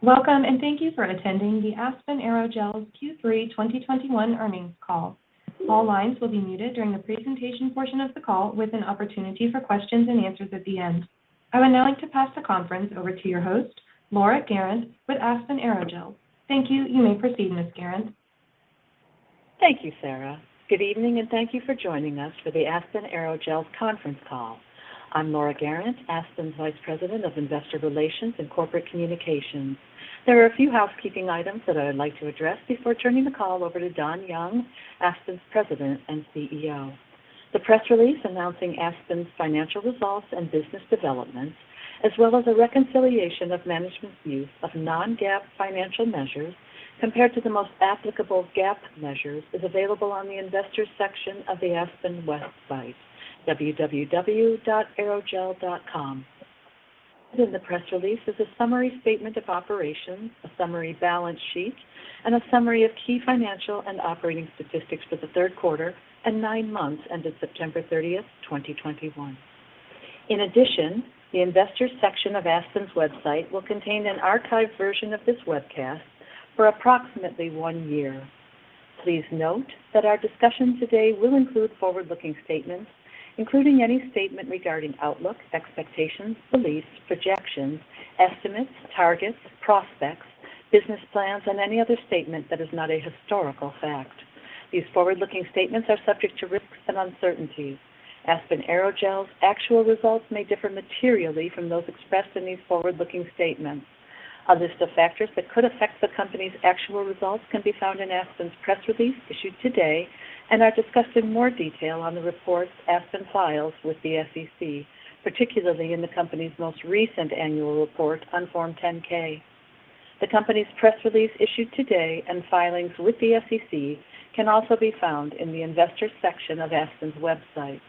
Welcome and thank you for attending the Aspen Aerogels Q3 2021 earnings call. All lines will be muted during the presentation portion of the call with an opportunity for questions and answers at the end. I would now like to pass the conference over to your host, Laura Guerrant-Oiye with Aspen Aerogels. Thank you. You may proceed, Ms. Guerrant-Oiye. Thank you, Sarah. Good evening, and thank you for joining us for the Aspen Aerogels conference call. I'm Laura Guerrant-Oiye, Aspen's Vice President of Investor Relations and Corporate Communications. There are a few housekeeping items that I would like to address before turning the call over to Donald Young, Aspen's President and CEO. The press release announcing Aspen's financial results and business developments, as well as a reconciliation of management's use of non-GAAP financial measures compared to the most applicable GAAP measures, is available on the investors section of the Aspen website, www.aerogel.com. In the press release is a summary statement of operations, a summary balance sheet, and a summary of key financial and operating statistics for the third quarter and nine months ended September 30th, 2021. In addition, the investors section of Aspen's website will contain an archived version of this webcast for approximately one year. Please note that our discussion today will include forward-looking statements, including any statement regarding outlook, expectations, beliefs, projections, estimates, targets, prospects, business plans, and any other statement that is not a historical fact. These forward-looking statements are subject to risks and uncertainties. Aspen Aerogels' actual results may differ materially from those expressed in these forward-looking statements. A list of factors that could affect the company's actual results can be found in Aspen's press release issued today and are discussed in more detail in the reports Aspen files with the SEC, particularly in the company's most recent annual report on Form 10-K. The company's press release issued today and filings with the SEC can also be found in the investors section of Aspen's website.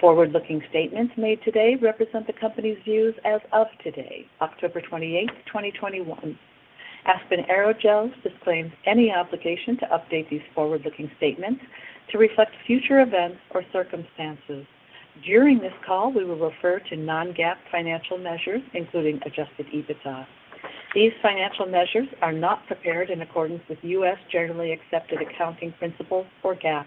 Forward-looking statements made today represent the company's views as of today, October 28th, 2021. Aspen Aerogels disclaims any obligation to update these forward-looking statements to reflect future events or circumstances. During this call, we will refer to non-GAAP financial measures, including adjusted EBITDA. These financial measures are not prepared in accordance with U.S. generally accepted accounting principles or GAAP.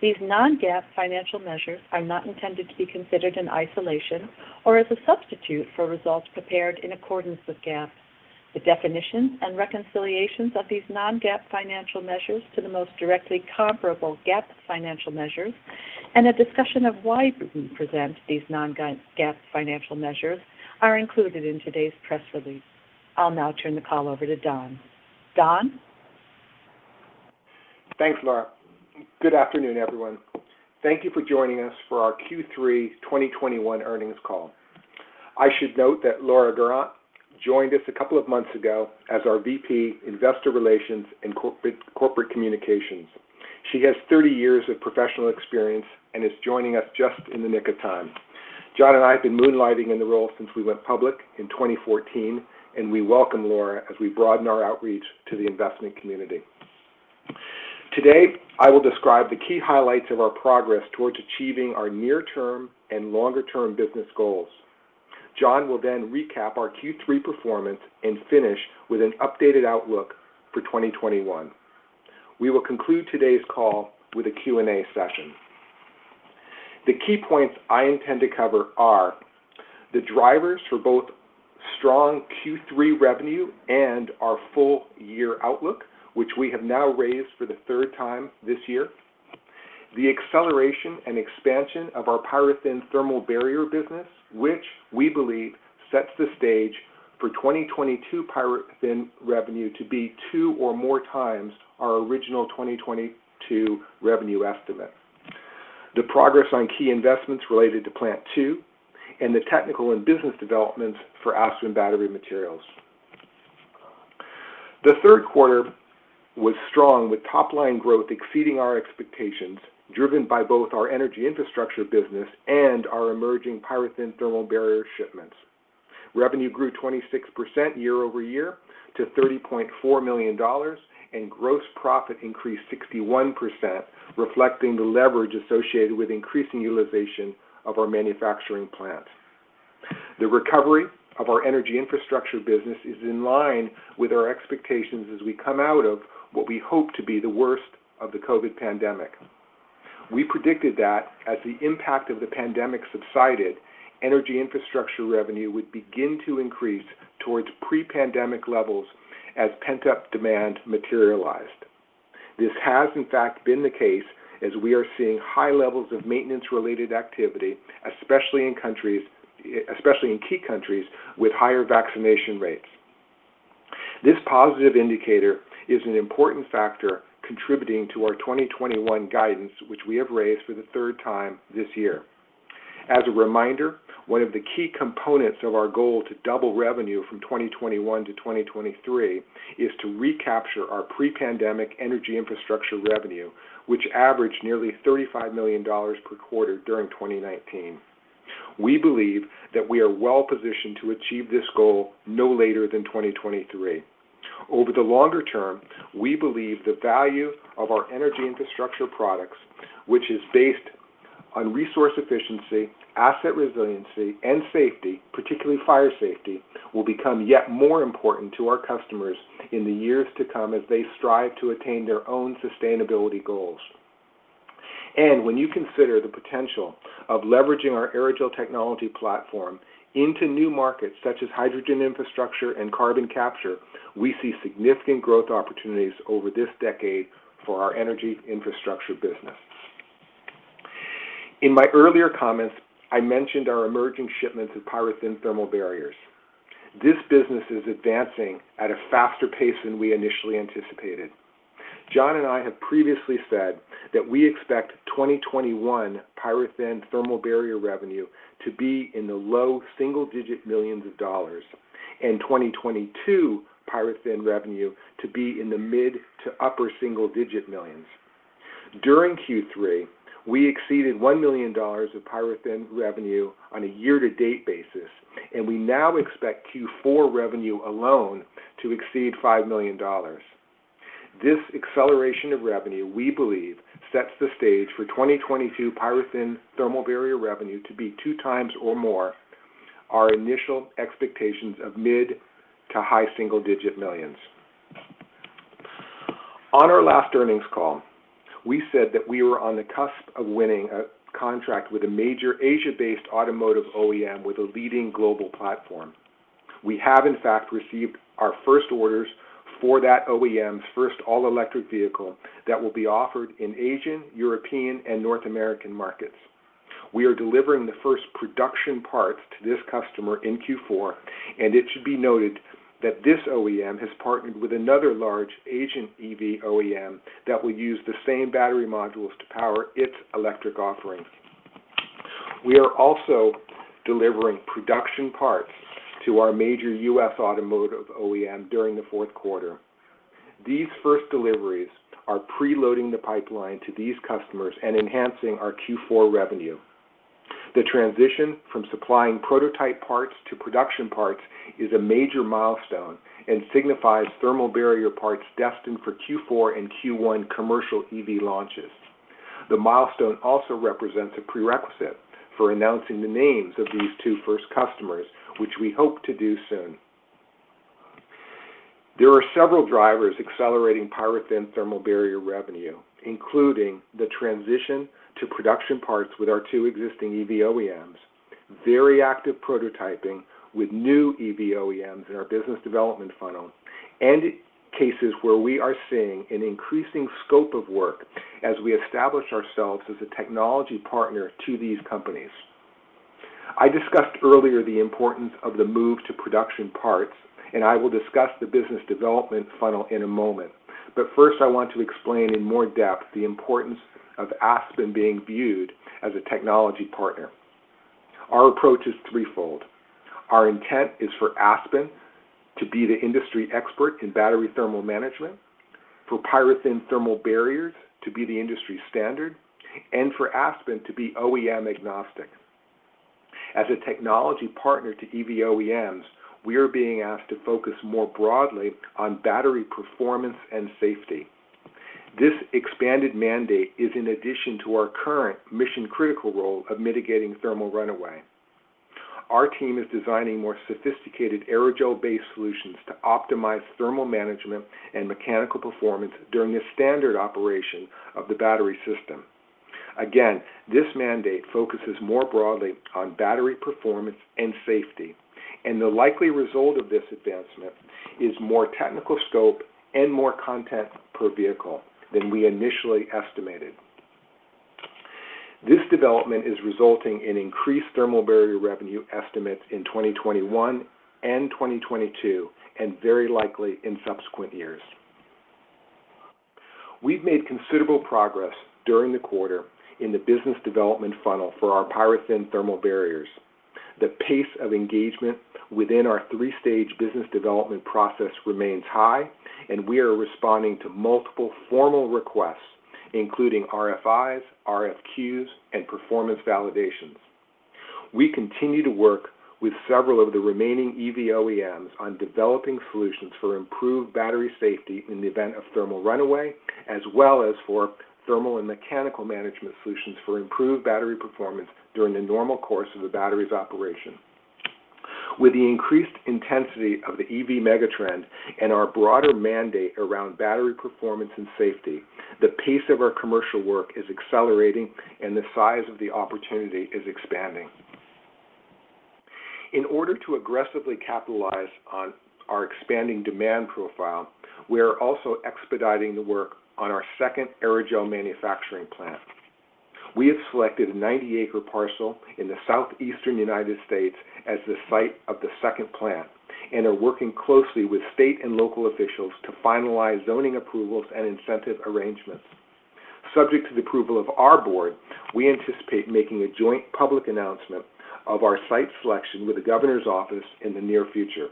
These non-GAAP financial measures are not intended to be considered in isolation or as a substitute for results prepared in accordance with GAAP. The definitions and reconciliations of these non-GAAP financial measures to the most directly comparable GAAP financial measures and a discussion of why we present these non-GAAP financial measures are included in today's press release. I'll now turn the call over to Don. Don? Thanks, Laura. Good afternoon, everyone. Thank you for joining us for our Q3 2021 earnings call. I should note that Laura Guerrant-Oiye joined us a couple of months ago as our VP, Investor Relations and Corporate Communications. She has 30 years of professional experience and is joining us just in the nick of time. John and I have been moonlighting in the role since we went public in 2014, and we welcome Laura as we broaden our outreach to the investment community. Today, I will describe the key highlights of our progress towards achieving our near term and longer term business goals. John will then recap our Q3 performance and finish with an updated outlook for 2021. We will conclude today's call with a Q&A session. The key points I intend to cover are the drivers for both strong Q3 revenue and our full year outlook, which we have now raised for the third time this year. The acceleration and expansion of our PyroThin thermal barrier business, which we believe sets the stage for 2022 PyroThin revenue to be two or more times our original 2022 revenue estimate. The progress on key investments related to Plant 2, and the technical and business developments for Aspen Battery Materials. The third quarter was strong with top-line growth exceeding our expectations, driven by both our energy infrastructure business and our emerging PyroThin thermal barrier shipments. Revenue grew 26% year-over-year to $30.4 million, and gross profit increased 61%, reflecting the leverage associated with increasing utilization of our manufacturing plant. The recovery of our energy infrastructure business is in line with our expectations as we come out of what we hope to be the worst of the COVID pandemic. We predicted that as the impact of the pandemic subsided, energy infrastructure revenue would begin to increase towards pre-pandemic levels as pent-up demand materialized. This has in fact been the case as we are seeing high levels of maintenance-related activity, especially in key countries with higher vaccination rates. This positive indicator is an important factor contributing to our 2021 guidance, which we have raised for the third time this year. As a reminder, one of the key components of our goal to double revenue from 2021 to 2023 is to recapture our pre-pandemic energy infrastructure revenue, which averaged nearly $35 million per quarter during 2019. We believe that we are well positioned to achieve this goal no later than 2023. Over the longer term, we believe the value of our energy infrastructure products, which is based on resource efficiency, asset resiliency, and safety, particularly fire safety, will become yet more important to our customers in the years to come as they strive to attain their own sustainability goals. When you consider the potential of leveraging our aerogel technology platform into new markets such as hydrogen infrastructure and carbon capture, we see significant growth opportunities over this decade for our energy infrastructure business. In my earlier comments, I mentioned our emerging shipments of PyroThin thermal barriers. This business is advancing at a faster pace than we initially anticipated. John and I have previously said that we expect 2021 PyroThin thermal barrier revenue to be in the low single-digit millions of dollars and 2022 PyroThin revenue to be in the mid- to upper single-digit millions. During Q3, we exceeded $1 million of PyroThin revenue on a year-to-date basis, and we now expect Q4 revenue alone to exceed $5 million. This acceleration of revenue, we believe, sets the stage for 2022 PyroThin revenue to be 2x or more our initial expectations of mid- to high single-digit millions. On our last earnings call, we said that we were on the cusp of winning a contract with a major Asia-based automotive OEM with a leading global platform. We have, in fact, received our first orders for that OEM's first all-electric vehicle that will be offered in Asian, European, and North American markets. We are delivering the first production parts to this customer in Q4, and it should be noted that this OEM has partnered with another large Asian EV OEM that will use the same battery modules to power its electric offerings. We are also delivering production parts to our major U.S. automotive OEM during the fourth quarter. These first deliveries are preloading the pipeline to these customers and enhancing our Q4 revenue. The transition from supplying prototype parts to production parts is a major milestone and signifies thermal barrier parts destined for Q4 and Q1 commercial EV launches. The milestone also represents a prerequisite for announcing the names of these two first customers, which we hope to do soon. There are several drivers accelerating PyroThin thermal barrier revenue, including the transition to production parts with our two existing EV OEMs, very active prototyping with new EV OEMs in our business development funnel, and cases where we are seeing an increasing scope of work as we establish ourselves as a technology partner to these companies. I discussed earlier the importance of the move to production parts, and I will discuss the business development funnel in a moment. First, I want to explain in more depth the importance of Aspen being viewed as a technology partner. Our approach is threefold. Our intent is for Aspen to be the industry expert in battery thermal management, for PyroThin thermal barriers to be the industry standard, and for Aspen to be OEM agnostic. As a technology partner to EV OEMs, we are being asked to focus more broadly on battery performance and safety. This expanded mandate is in addition to our current mission-critical role of mitigating thermal runaway. Our team is designing more sophisticated aerogel-based solutions to optimize thermal management and mechanical performance during the standard operation of the battery system. Again, this mandate focuses more broadly on battery performance and safety, and the likely result of this advancement is more technical scope and more content per vehicle than we initially estimated. This development is resulting in increased thermal barrier revenue estimates in 2021 and 2022, and very likely in subsequent years. We've made considerable progress during the quarter in the business development funnel for our PyroThin thermal barriers. The pace of engagement within our three-stage business development process remains high, and we are responding to multiple formal requests, including RFIs, RFQs, and performance validations. We continue to work with several of the remaining EV OEMs on developing solutions for improved battery safety in the event of thermal runaway, as well as for thermal and mechanical management solutions for improved battery performance during the normal course of the battery's operation. With the increased intensity of the EV megatrend and our broader mandate around battery performance and safety, the pace of our commercial work is accelerating and the size of the opportunity is expanding. In order to aggressively capitalize on our expanding demand profile, we are also expediting the work on our second aerogel manufacturing plant. We have selected a 90-acre parcel in the southeastern United States as the site of the second plant and are working closely with state and local officials to finalize zoning approvals and incentive arrangements. Subject to the approval of our board, we anticipate making a joint public announcement of our site selection with the governor's office in the near future.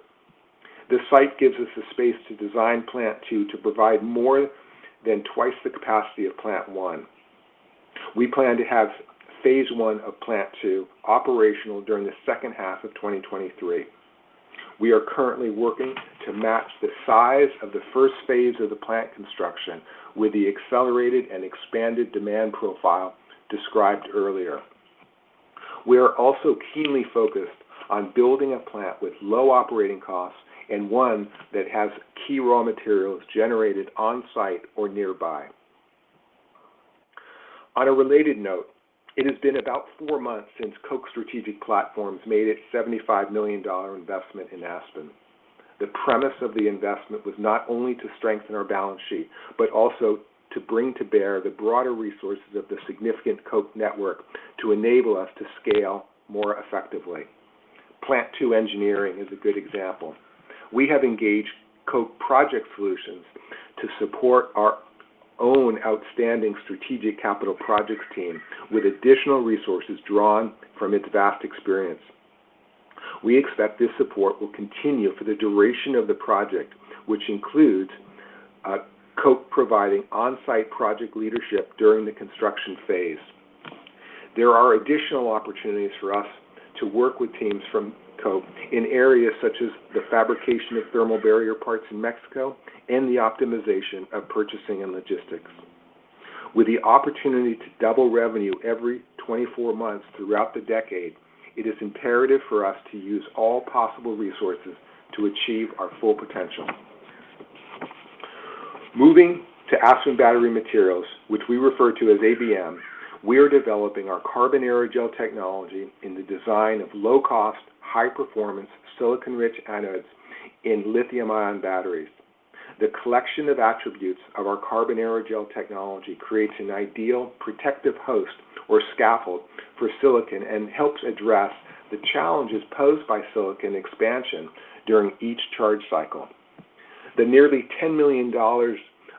This site gives us the space to design Plant 2 to provide more than twice the capacity of Plant 1. We plan to have phase one of Plant 2 operational during the second half of 2023. We are currently working to match the size of the first phase of the plant construction with the accelerated and expanded demand profile described earlier. We are also keenly focused on building a plant with low operating costs and one that has key raw materials generated on-site or nearby. On a related note, it has been about four months since Koch Strategic Platforms made its $75 million investment in Aspen. The premise of the investment was not only to strengthen our balance sheet but also to bring to bear the broader resources of the significant Koch network to enable us to scale more effectively. Plant 2 engineering is a good example. We have engaged Koch Project Solutions to support our own outstanding strategic capital projects team with additional resources drawn from its vast experience. We expect this support will continue for the duration of the project, which includes, Koch providing on-site project leadership during the construction phase. There are additional opportunities for us to work with teams from Koch in areas such as the fabrication of thermal barrier parts in Mexico and the optimization of purchasing and logistics. With the opportunity to double revenue every 24 months throughout the decade, it is imperative for us to use all possible resources to achieve our full potential. Moving to Aspen Battery Materials, which we refer to as ABM, we are developing our carbon aerogel technology in the design of low-cost, high-performance, silicon-rich anodes in lithium-ion batteries. The collection of attributes of our carbon aerogel technology creates an ideal protective host or scaffold for silicon and helps address the challenges posed by silicon expansion during each charge cycle. The nearly $10 million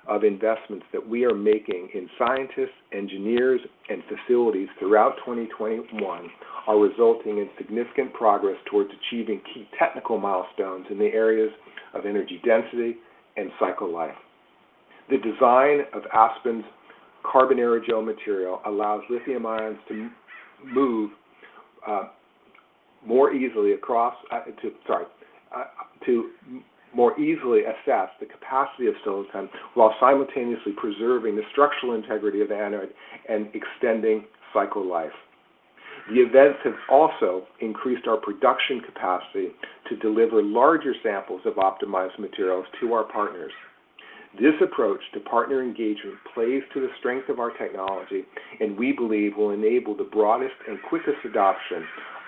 of investments that we are making in scientists, engineers, and facilities throughout 2021 are resulting in significant progress towards achieving key technical milestones in the areas of energy density and cycle life. The design of Aspen's carbon aerogel material allows lithium ions to more easily access the capacity of silicon while simultaneously preserving the structural integrity of the anode and extending cycle life. The events have also increased our production capacity to deliver larger samples of optimized materials to our partners. This approach to partner engagement plays to the strength of our technology, and we believe will enable the broadest and quickest adoption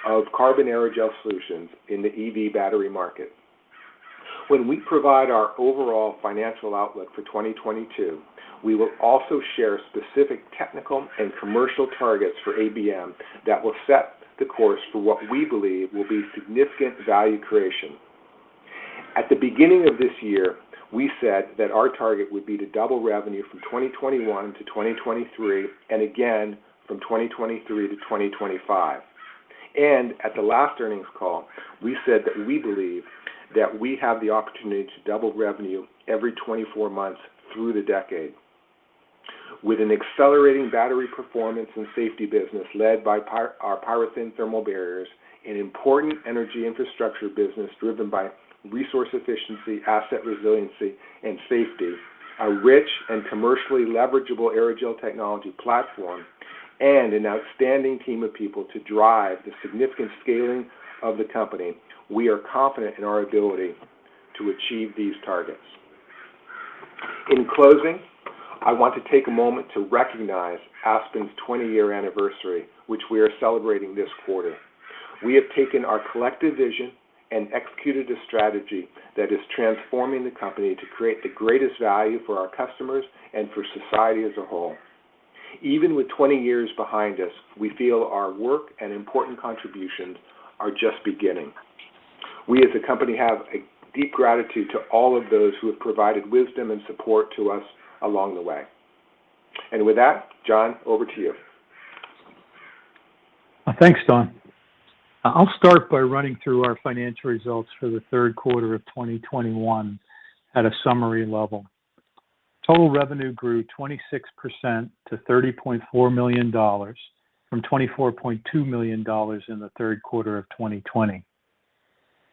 of carbon aerogel solutions in the EV battery market. When we provide our overall financial outlook for 2022, we will also share specific technical and commercial targets for ABM that will set the course for what we believe will be significant value creation. At the beginning of this year, we said that our target would be to double revenue from 2021 to 2023 and again from 2023 to 2025. At the last earnings call, we said that we believe that we have the opportunity to double revenue every 24 months through the decade. With an accelerating battery performance and safety business led by our PyroThin thermal barriers, an important energy infrastructure business driven by resource efficiency, asset resiliency, and safety, a rich and commercially leverageable aerogel technology platform and an outstanding team of people to drive the significant scaling of the company. We are confident in our ability to achieve these targets. In closing, I want to take a moment to recognize Aspen's twenty-year anniversary, which we are celebrating this quarter. We have taken our collective vision and executed a strategy that is transforming the company to create the greatest value for our customers and for society as a whole. Even with twenty years behind us, we feel our work and important contributions are just beginning. We as a company have a deep gratitude to all of those who have provided wisdom and support to us along the way. With that, John, over to you. Thanks, Don. I'll start by running through our financial results for the third quarter of 2021 at a summary level. Total revenue grew 26% to $30.4 million from $24.2 million in the third quarter of 2020.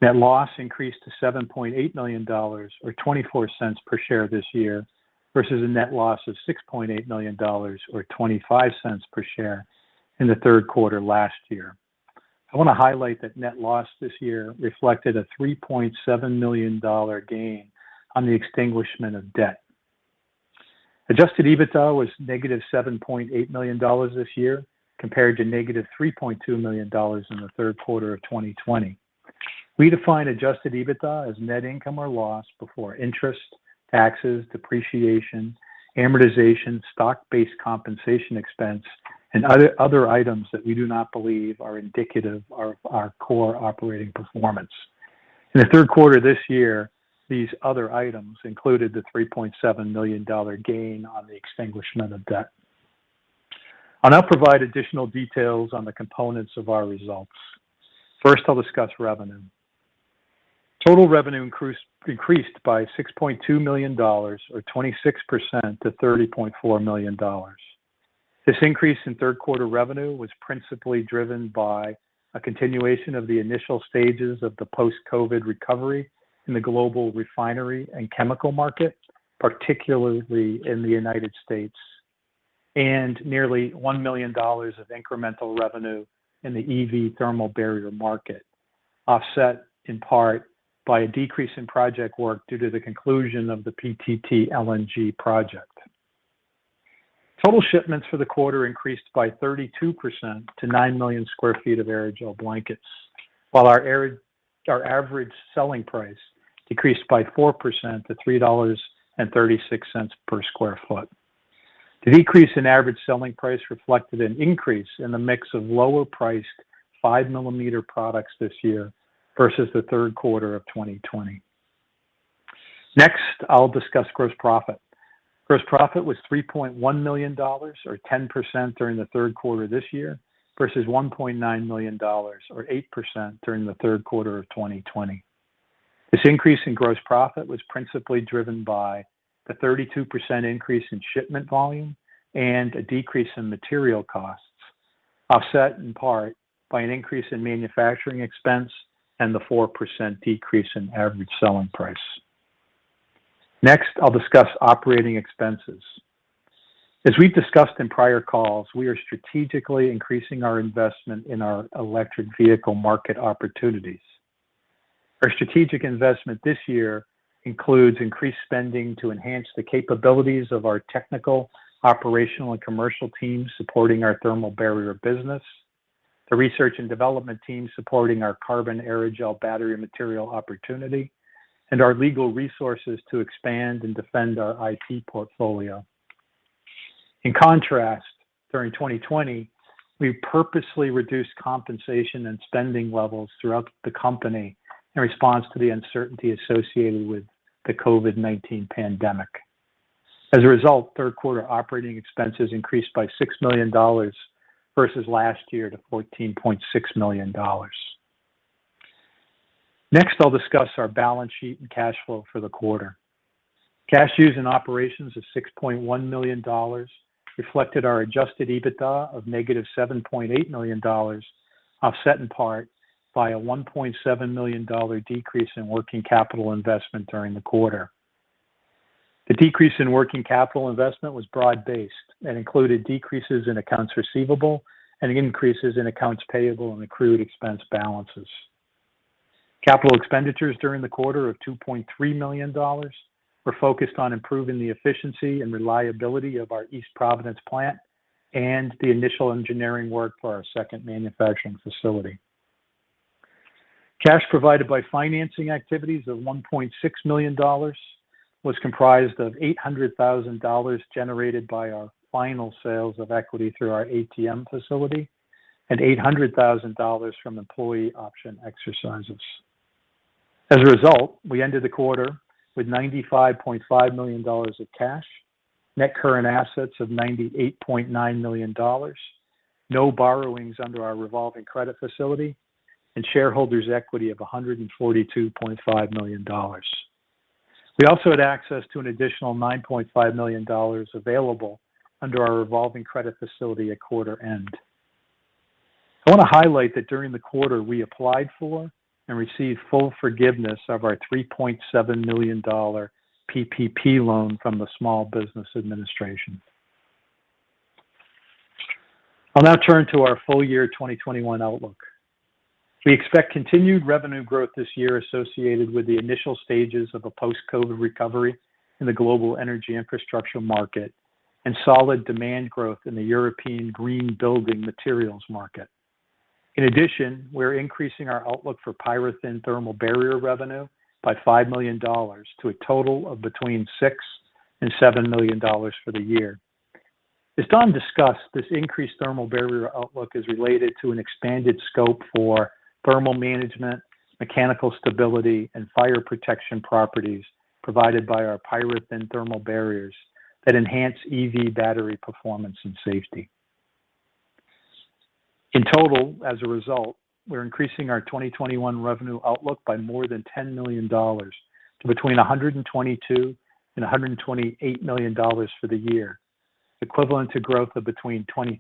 Net loss increased to $7.8 million or $0.24 per share this year versus a net loss of $6.8 million or $0.25 per share in the third quarter last year. I wanna highlight that net loss this year reflected a $3.7 million dollar gain on the extinguishment of debt. Adjusted EBITDA was negative $7.8 million this year compared to negative -$3.2 million in the third quarter of 2020. We define adjusted EBITDA as net income or loss before interest, taxes, depreciation, amortization, stock-based compensation expense, and other items that we do not believe are indicative of our core operating performance. In the third quarter this year, these other items included the $3.7 million gain on the extinguishment of debt. I'll now provide additional details on the components of our results. First, I'll discuss revenue. Total revenue increased by $6.2 million or 26% to $30.4 million. This increase in third quarter revenue was principally driven by a continuation of the initial stages of the post-COVID recovery in the global refinery and chemical market, particularly in the United States, and nearly $1 million of incremental revenue in the EV thermal barrier market, offset in part by a decrease in project work due to the conclusion of the PTT LNG project. Total shipments for the quarter increased by 32% to 9 million sq ft of aerogel blankets, while our average selling price decreased by 4% to $3.36 per sq ft. The decrease in average selling price reflected an increase in the mix of lower priced 5 mm products this year versus the third quarter of 2020. Next, I'll discuss gross profit. Gross profit was $3.1 million or 10% during the third quarter this year versus $1.9 million or 8% during the third quarter of 2020. This increase in gross profit was principally driven by the 32% increase in shipment volume and a decrease in material costs, offset in part by an increase in manufacturing expense and the 4% decrease in average selling price. Next, I'll discuss operating expenses. As we've discussed in prior calls, we are strategically increasing our investment in our electric vehicle market opportunities. Our strategic investment this year includes increased spending to enhance the capabilities of our technical, operational, and commercial teams supporting our thermal barrier business, the research and development team supporting our carbon aerogel battery material opportunity, and our legal resources to expand and defend our IP portfolio. In contrast, during 2020, we purposely reduced compensation and spending levels throughout the company in response to the uncertainty associated with the COVID-19 pandemic. As a result, third quarter operating expenses increased by $6 million versus last year to $14.6 million. Next, I'll discuss our balance sheet and cash flow for the quarter. Cash used in operations of $6.1 million reflected our adjusted EBITDA of -$7.8 million, offset in part by a $1.7 million dollar decrease in working capital investment during the quarter. The decrease in working capital investment was broad-based and included decreases in accounts receivable and increases in accounts payable and accrued expense balances. Capital expenditures during the quarter of $2.3 million were focused on improving the efficiency and reliability of our East Providence plant and the initial engineering work for our second manufacturing facility. Cash provided by financing activities of $1.6 million was comprised of $800,000 generated by our final sales of equity through our ATM facility and $800,000 from employee option exercises. As a result, we ended the quarter with $95.5 million of cash, net current assets of $98.9 million, no borrowings under our revolving credit facility, and shareholders' equity of $142.5 million. We also had access to an additional $9.5 million available under our revolving credit facility at quarter end. I wanna highlight that during the quarter we applied for and received full forgiveness of our $3.7 million PPP loan from the Small Business Administration. I'll now turn to our full year 2021 outlook. We expect continued revenue growth this year associated with the initial stages of a post-COVID recovery in the global energy infrastructure market and solid demand growth in the European green building materials market. In addition, we're increasing our outlook for PyroThin thermal barrier revenue by $5 million to a total of between $6 million and $7 million for the year. As Don discussed, this increased thermal barrier outlook is related to an expanded scope for thermal management, mechanical stability, and fire protection properties provided by our PyroThin thermal barriers that enhance EV battery performance and safety. In total, as a result, we're increasing our 2021 revenue outlook by more than $10 million to between $122 million and $128 million for the year, equivalent to growth of between 23%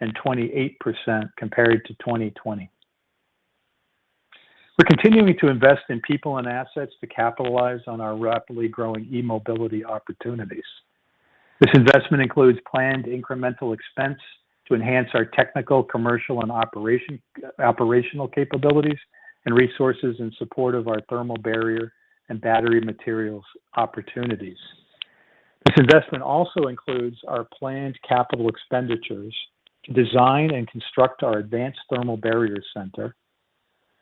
and 28% compared to 2020. We're continuing to invest in people and assets to capitalize on our rapidly growing e-mobility opportunities. This investment includes planned incremental expense to enhance our technical, commercial, and operational capabilities and resources in support of our thermal barrier and battery materials opportunities. This investment also includes our planned capital expenditures to design and construct our advanced thermal barrier center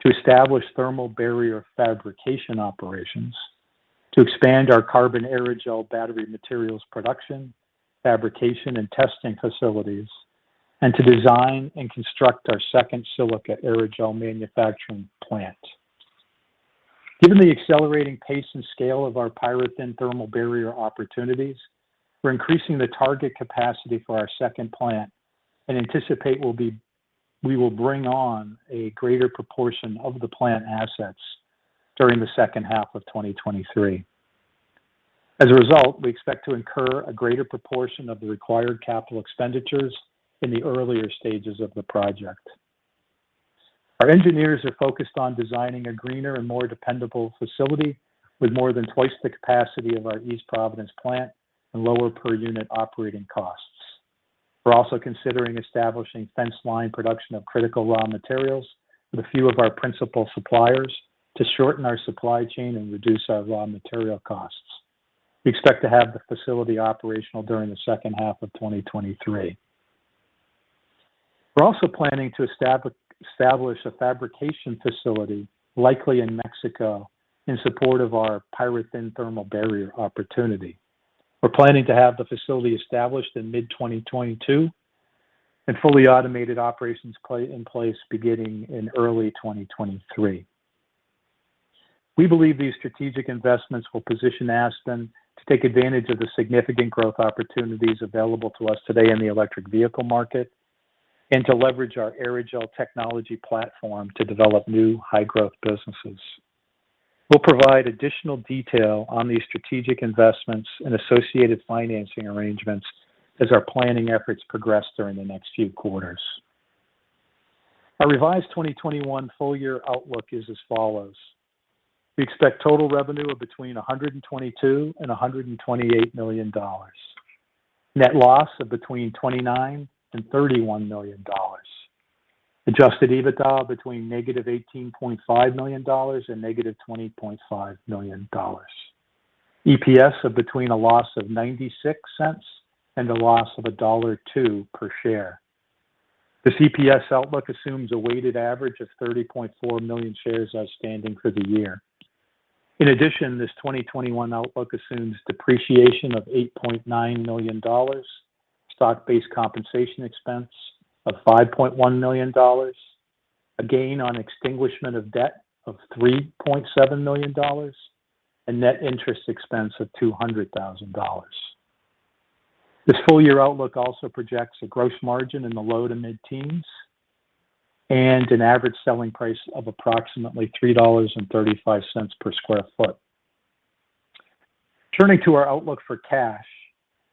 to establish thermal barrier fabrication operations, to expand our carbon aerogel battery materials production, fabrication, and testing facilities, and to design and construct our second silica aerogel manufacturing plant. Given the accelerating pace and scale of our PyroThin thermal barrier opportunities, we're increasing the target capacity for our second plant and anticipate we will bring on a greater proportion of the plant assets during the second half of 2023. As a result, we expect to incur a greater proportion of the required capital expenditures in the earlier stages of the project. Our engineers are focused on designing a greener and more dependable facility with more than twice the capacity of our East Providence plant and lower per unit operating costs. We're also considering establishing fence line production of critical raw materials with a few of our principal suppliers to shorten our supply chain and reduce our raw material costs. We expect to have the facility operational during the second half of 2023. We're also planning to establish a fabrication facility, likely in Mexico, in support of our PyroThin thermal barrier opportunity. We're planning to have the facility established in mid-2022 and fully automated operations in place beginning in early 2023. We believe these strategic investments will position Aspen to take advantage of the significant growth opportunities available to us today in the electric vehicle market and to leverage our aerogel technology platform to develop new high-growth businesses. We'll provide additional detail on these strategic investments and associated financing arrangements as our planning efforts progress during the next few quarters. Our revised 2021 full year outlook is as follows. We expect total revenue of between $122 million and $128 million. Net loss of between $29 million and $31 million. Adjusted EBITDA between -$18.5 million and -$20.5 million. EPS of between a loss of $0.96 and a loss of $1.02 per share. This EPS outlook assumes a weighted average of 30.4 million shares outstanding for the year. In addition, this 2021 outlook assumes depreciation of $8.9 million, stock-based compensation expense of $5.1 million, a gain on extinguishment of debt of $3.7 million, and net interest expense of $200,000. This full year outlook also projects a gross margin in the low to mid-teens% and an average selling price of approximately $3.35 per sq ft. Turning to our outlook for cash,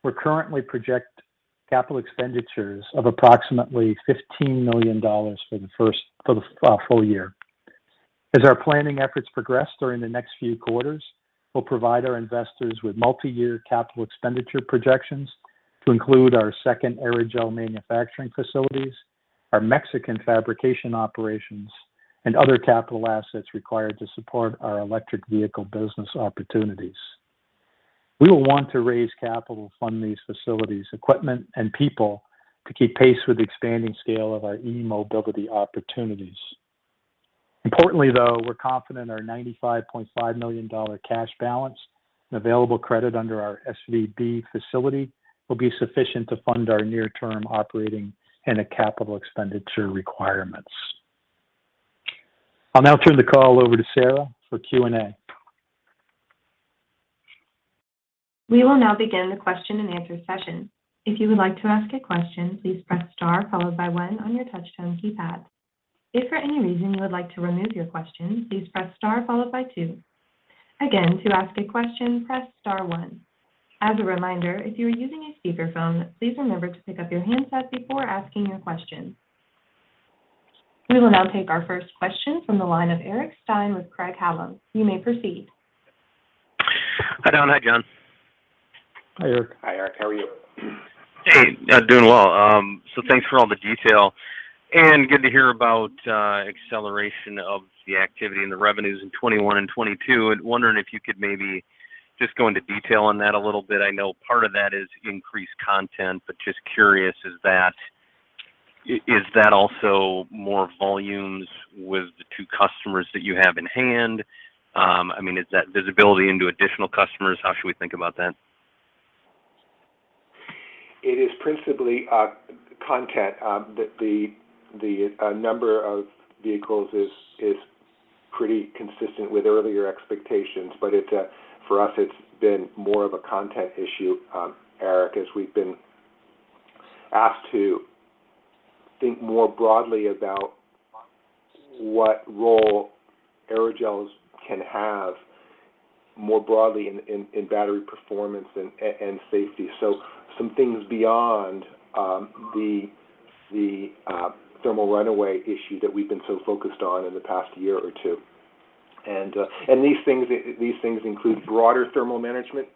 we currently project capital expenditures of approximately $15 million for the full year. As our planning efforts progress during the next few quarters, we'll provide our investors with multi-year capital expenditure projections to include our second aerogel manufacturing facilities, our Mexican fabrication operations, and other capital assets required to support our electric vehicle business opportunities. We will want to raise capital to fund these facilities, equipment, and people to keep pace with the expanding scale of our e-mobility opportunities. Importantly, though, we're confident our $95.5 million cash balance and available credit under our SVB facility will be sufficient to fund our near-term operating and capital expenditure requirements. I'll now turn the call over to Sarah for Q&A. We will now begin the question and answer session. If you would like to ask a question, please press star followed by one on your touchtone keypad. If for any reason you would like to remove your question, please press star followed by two. Again, to ask a question, press star one. As a reminder, if you are using a speakerphone, please remember to pick up your handset before asking your question. We will now take our first question from the line of Eric Stine with Craig-Hallum. You may proceed. Hi, Don. Hi, John. Hi, Eric. Hi, Eric. How are you? Hey, doing well. Thanks for all the detail. Good to hear about acceleration of the activity and the revenues in 2021 and 2022. I'm wondering if you could maybe just go into detail on that a little bit. I know part of that is increased content, but just curious, is that also more volumes with the two customers that you have in hand? I mean, is that visibility into additional customers? How should we think about that? It is principally content that the number of vehicles is pretty consistent with earlier expectations. For us, it's been more of a content issue, Eric, as we've been asked to think more broadly about what role aerogels can have more broadly in battery performance and safety, some things beyond the thermal runaway issue that we've been so focused on in the past year or two. These things include broader thermal management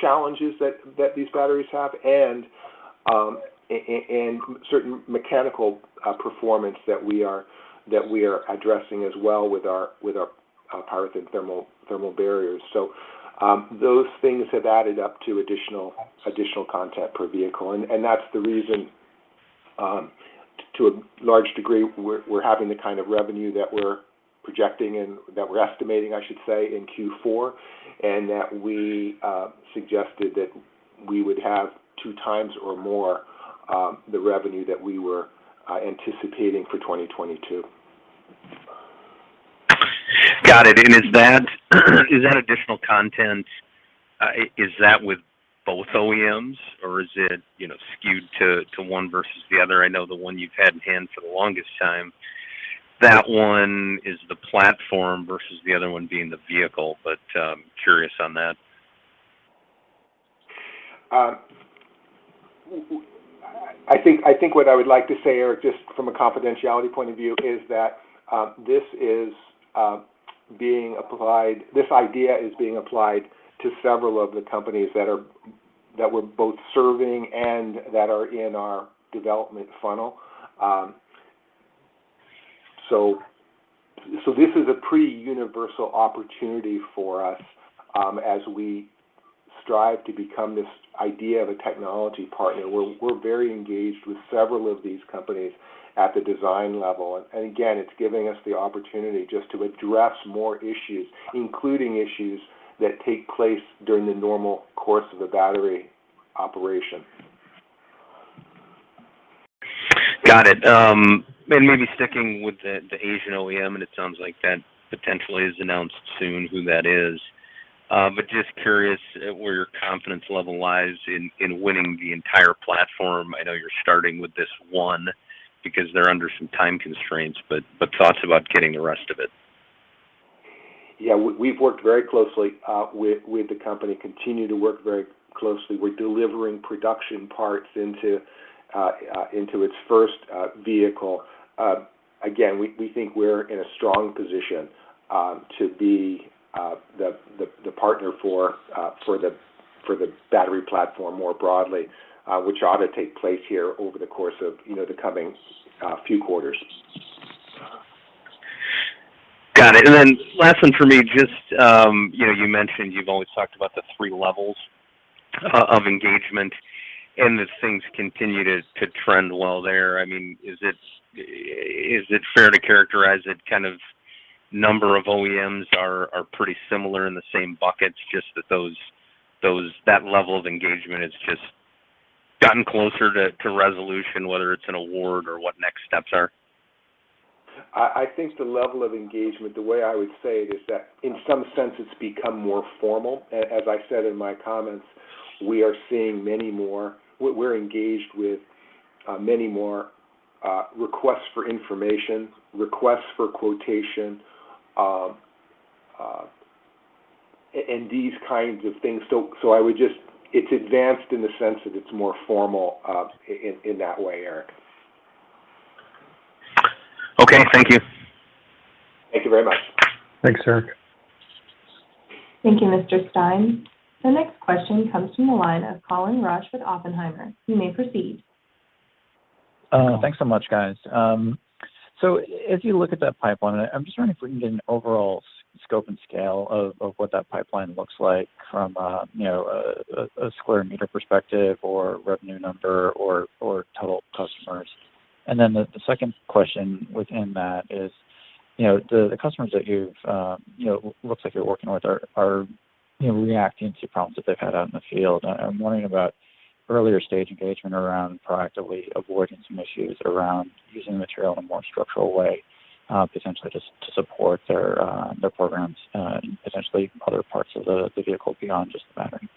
challenges that these batteries have and certain mechanical performance that we are addressing as well with our PyroThin thermal barriers. Those things have added up to additional content per vehicle. That's the reason to a large degree we're having the kind of revenue that we're projecting and that we're estimating, I should say, in Q4, and that we suggested that we would have 2x or more the revenue that we were anticipating for 2022. Got it. Is that additional content with both OEMs or is it, you know, skewed to one versus the other? I know the one you've had in hand for the longest time, that one is the platform versus the other one being the vehicle. Curious on that. I think what I would like to say, Eric, just from a confidentiality point of view is that this idea is being applied to several of the companies that we're both serving and that are in our development funnel. This is a pretty universal opportunity for us as we strive to become this idea of a technology partner. We're very engaged with several of these companies at the design level. Again, it's giving us the opportunity just to address more issues, including issues that take place during the normal course of a battery operation. Got it. Maybe sticking with the Asian OEM, and it sounds like that potentially is announced soon who that is. Just curious where your confidence level lies in winning the entire platform. I know you're starting with this one because they're under some time constraints, but thoughts about getting the rest of it. Yeah. We've worked very closely with the company, continue to work very closely. We're delivering production parts into its first vehicle. Again, we think we're in a strong position to be the partner for the battery platform more broadly, which ought to take place here over the course of, you know, the coming few quarters. Got it. Last one for me, just, you know, you mentioned you've always talked about the three levels of engagement and that things continue to trend well there. I mean, is it fair to characterize it kind of number of OEMs are pretty similar in the same buckets just that those that level of engagement has just gotten closer to resolution, whether it's an award or what next steps are? I think the level of engagement, the way I would say it is that in some sense, it's become more formal. As I said in my comments, we are seeing many more. We're engaged with many more requests for information, requests for quotation, and these kinds of things. It's advanced in the sense that it's more formal, in that way, Eric. Okay, thank you. Thank you very much. Thanks, Eric. Thank you, Mr. Stine. The next question comes from the line of Colin Rusch with Oppenheimer. You may proceed. Thanks so much, guys. So as you look at that pipeline, I'm just wondering if we can get an overall scope and scale of what that pipeline looks like from, you know, a square meter perspective or revenue number or total customers. Then the second question within that is, you know, the customers that you've, you know, looks like you're working with are reacting to problems that they've had out in the field. I'm wondering about earlier stage engagement around proactively avoiding some issues around using the material in a more structural way, potentially just to support their programs, essentially other parts of the vehicle beyond just the battery.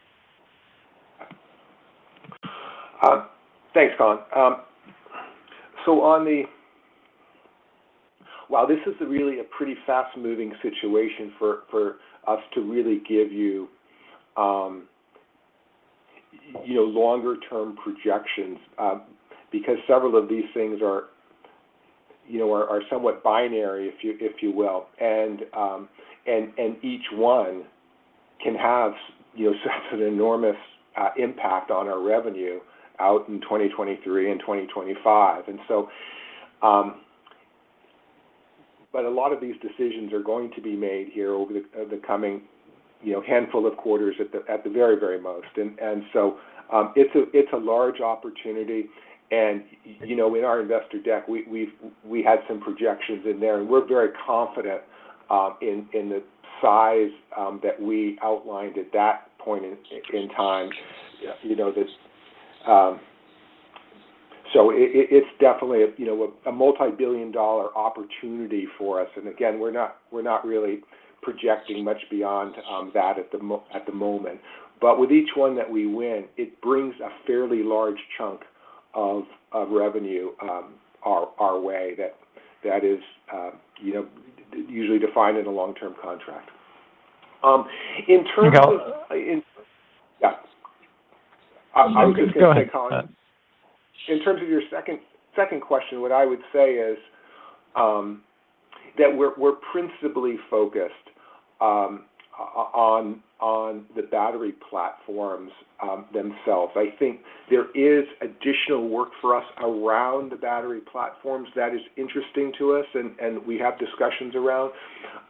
Thanks, Colin. While this is really a pretty fast-moving situation for us to really give you know, longer term projections, because several of these things are, you know, somewhat binary, if you will. Each one can have, you know, such an enormous impact on our revenue out in 2023 and 2025. A lot of these decisions are going to be made here over the coming, you know, handful of quarters at the very most. It's a large opportunity. You know, in our investor deck, we had some projections in there, and we're very confident in the size that we outlined at that point in time. You know, it's definitely, you know, a multibillion-dollar opportunity for us. Again, we're not really projecting much beyond that at the moment. With each one that we win, it brings a fairly large chunk of revenue our way that is, you know, usually defined in a long-term contract. In terms of- Miguel? Yes. I was gonna say. Go ahead. Colin. In terms of your second question, what I would say is that we're principally focused on the battery platforms themselves. I think there is additional work for us around the battery platforms that is interesting to us and we have discussions around.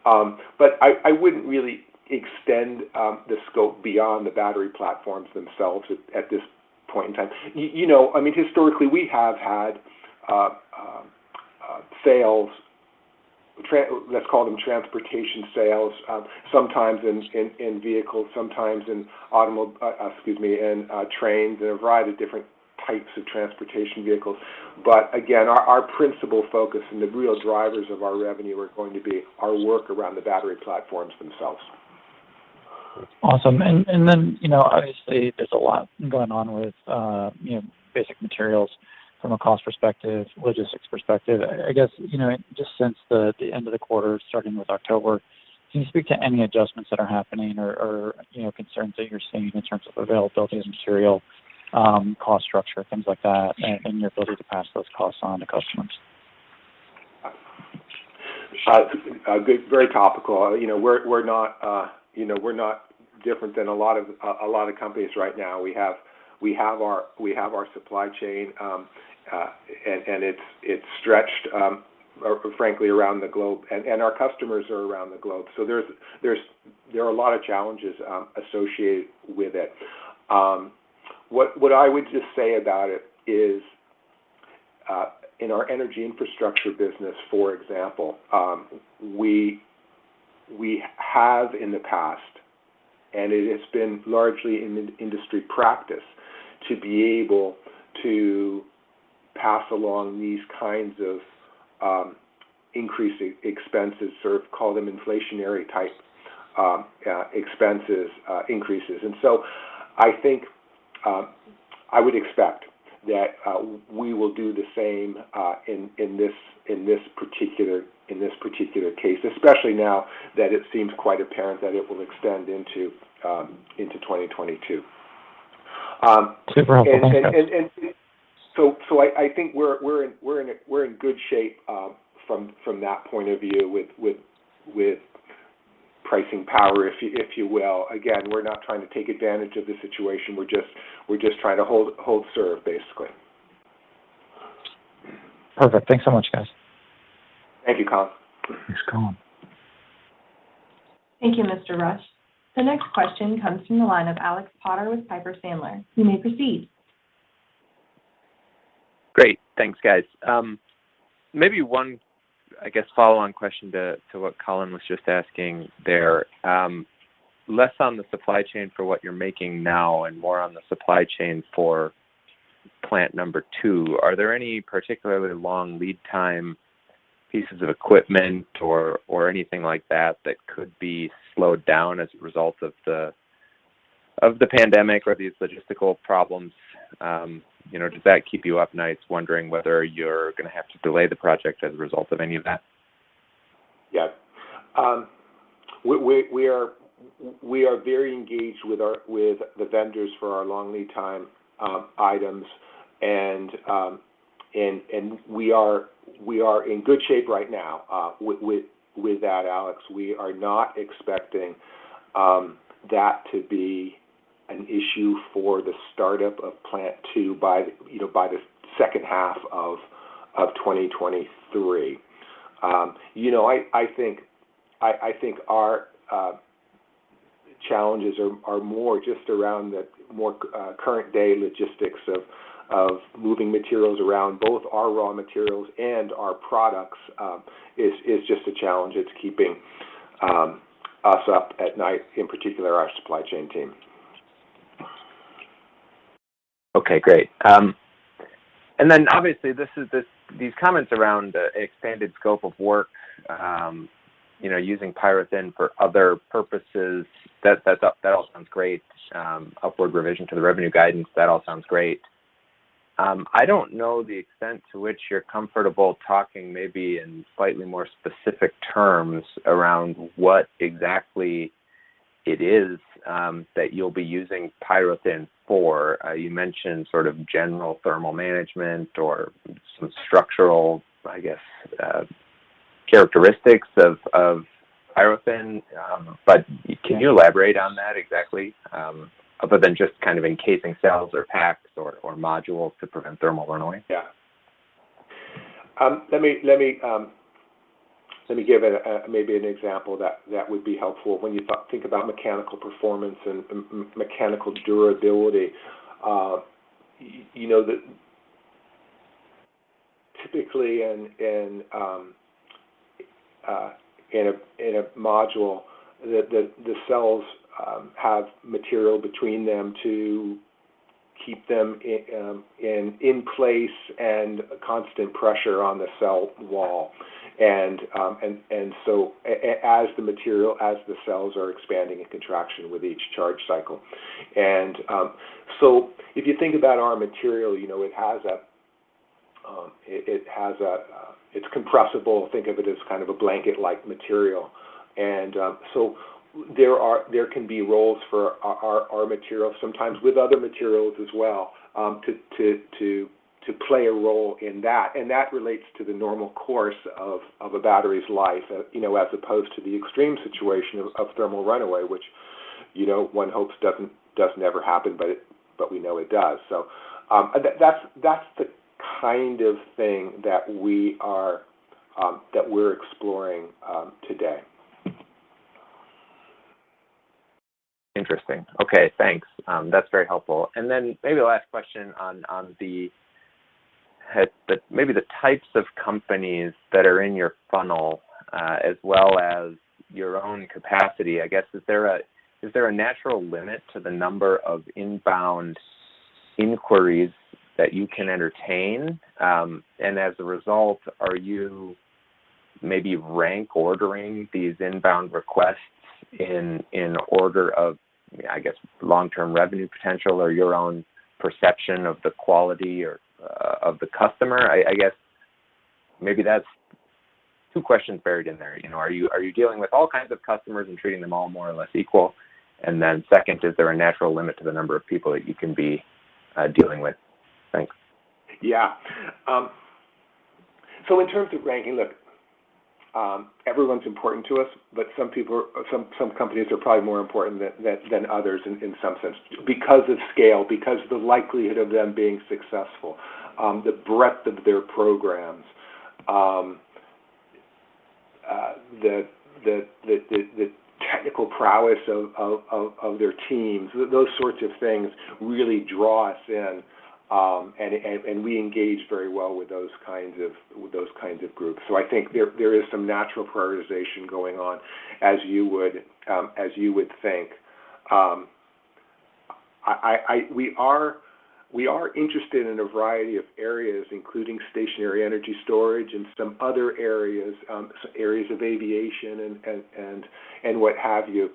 But I wouldn't really extend the scope beyond the battery platforms themselves at this point in time. You know, I mean, historically, we have had sales, let's call them transportation sales, sometimes in vehicles, sometimes in trains and a variety of different types of transportation vehicles. Again, our principal focus and the real drivers of our revenue are going to be our work around the battery platforms themselves. Awesome. You know, obviously there's a lot going on with, you know, basic materials from a cost perspective, logistics perspective. I guess, you know, just since the end of the quarter, starting with October, can you speak to any adjustments that are happening or, you know, concerns that you're seeing in terms of availability of material, cost structure, things like that, and your ability to pass those costs on to customers? Very topical. You know, we're not different than a lot of companies right now. We have our supply chain, and it's stretched, or frankly, around the globe, and our customers are around the globe. So there are a lot of challenges associated with it. What I would just say about it is, in our energy infrastructure business, for example, we have in the past, and it has been largely in-industry practice, to be able to pass along these kinds of increasing expenses, sort of call them inflationary type expenses, increases. I think I would expect that we will do the same in this particular case, especially now that it seems quite apparent that it will extend into 2022. Super helpful. Thanks, guys. I think we're in good shape from that point of view with pricing power, if you will. Again, we're not trying to take advantage of the situation, we're just trying to hold serve, basically. Perfect. Thanks so much, guys. Thank you, Colin. Thanks, Colin. Thank you, Mr. Rusch. The next question comes from the line of Alex Potter with Piper Sandler. You may proceed. Great. Thanks, guys. Maybe one, I guess, follow-on question to what Colin was just asking there. Less on the supply chain for what you're making now and more on the supply chain for plant number two. Are there any particularly long lead time pieces of equipment or anything like that that could be slowed down as a result of the pandemic or these logistical problems? You know, does that keep you up nights wondering whether you're gonna have to delay the project as a result of any of that? Yeah. We are very engaged with the vendors for our long lead time items, and we are in good shape right now with that, Alex. We are not expecting that to be an issue for the startup of Plant 2 by the second half of 2023. You know, I think our challenges are more just around the current day logistics of moving materials around both our raw materials and our products is just a challenge. It's keeping us up at night, in particular our supply chain team. Okay. Great. And then obviously, these comments around the expanded scope of work, you know, using PyroThin for other purposes, that all sounds great. Upward revision to the revenue guidance, that all sounds great. I don't know the extent to which you're comfortable talking maybe in slightly more specific terms around what exactly it is that you'll be using PyroThin for. You mentioned sort of general thermal management or some structural, I guess, characteristics of PyroThin, but can you elaborate on that exactly, other than just kind of encasing cells or packs or modules to prevent thermal runaway? Yeah. Let me give maybe an example that would be helpful when you think about mechanical performance and mechanical durability. You know that typically in a module, the cells have material between them to keep them in place and constant pressure on the cell wall as the cells are expanding and contraction with each charge cycle. If you think about our material, you know, it's compressible. Think of it as kind of a blanket-like material. There can be roles for our material, sometimes with other materials as well, to play a role in that. That relates to the normal course of a battery's life, you know, as opposed to the extreme situation of thermal runaway, which you know one hopes doesn't ever happen, but we know it does. That's the kind of thing that we're exploring today. Interesting. Okay, thanks. That's very helpful. Maybe the last question, maybe the types of companies that are in your funnel, as well as your own capacity, I guess, is there a natural limit to the number of inbound inquiries that you can entertain? As a result, are you maybe rank ordering these inbound requests in order of, I guess, long-term revenue potential or your own perception of the quality or of the customer? I guess maybe that's two questions buried in there. You know, are you dealing with all kinds of customers and treating them all more or less equal? Second, is there a natural limit to the number of people that you can be dealing with? Thanks. Yeah. In terms of ranking, look, everyone's important to us, but some people, some companies are probably more important than others in some sense because of scale, because the likelihood of them being successful, the breadth of their programs, the technical prowess of their teams. Those sorts of things really draw us in, and we engage very well with those kinds of groups. I think there is some natural prioritization going on as you would think. We are interested in a variety of areas, including stationary energy storage and some other areas, some areas of aviation and what have you.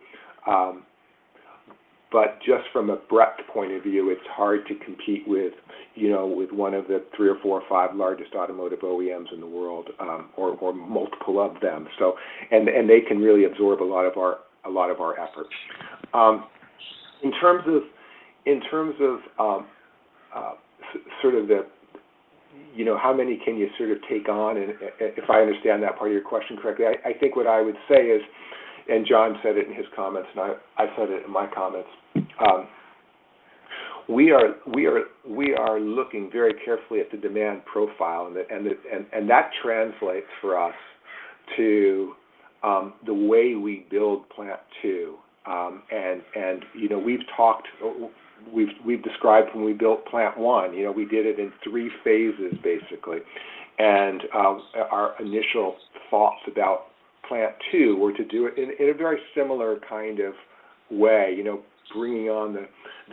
Just from a breadth point of view, it's hard to compete with, you know, with one of the three or four or five largest automotive OEMs in the world, or multiple of them. They can really absorb a lot of our efforts. In terms of sort of the, you know, how many can you sort of take on, and if I understand that part of your question correctly, I think what I would say is, and John said it in his comments, and I said it in my comments, we are looking very carefully at the demand profile and that translates for us to the way we build Plant 2. You know, we've talked, we've described when we built Plant 1, you know, we did it in three phases, basically. Our initial thoughts about Plant 2 were to do it in a very similar kind of way, you know, bringing on the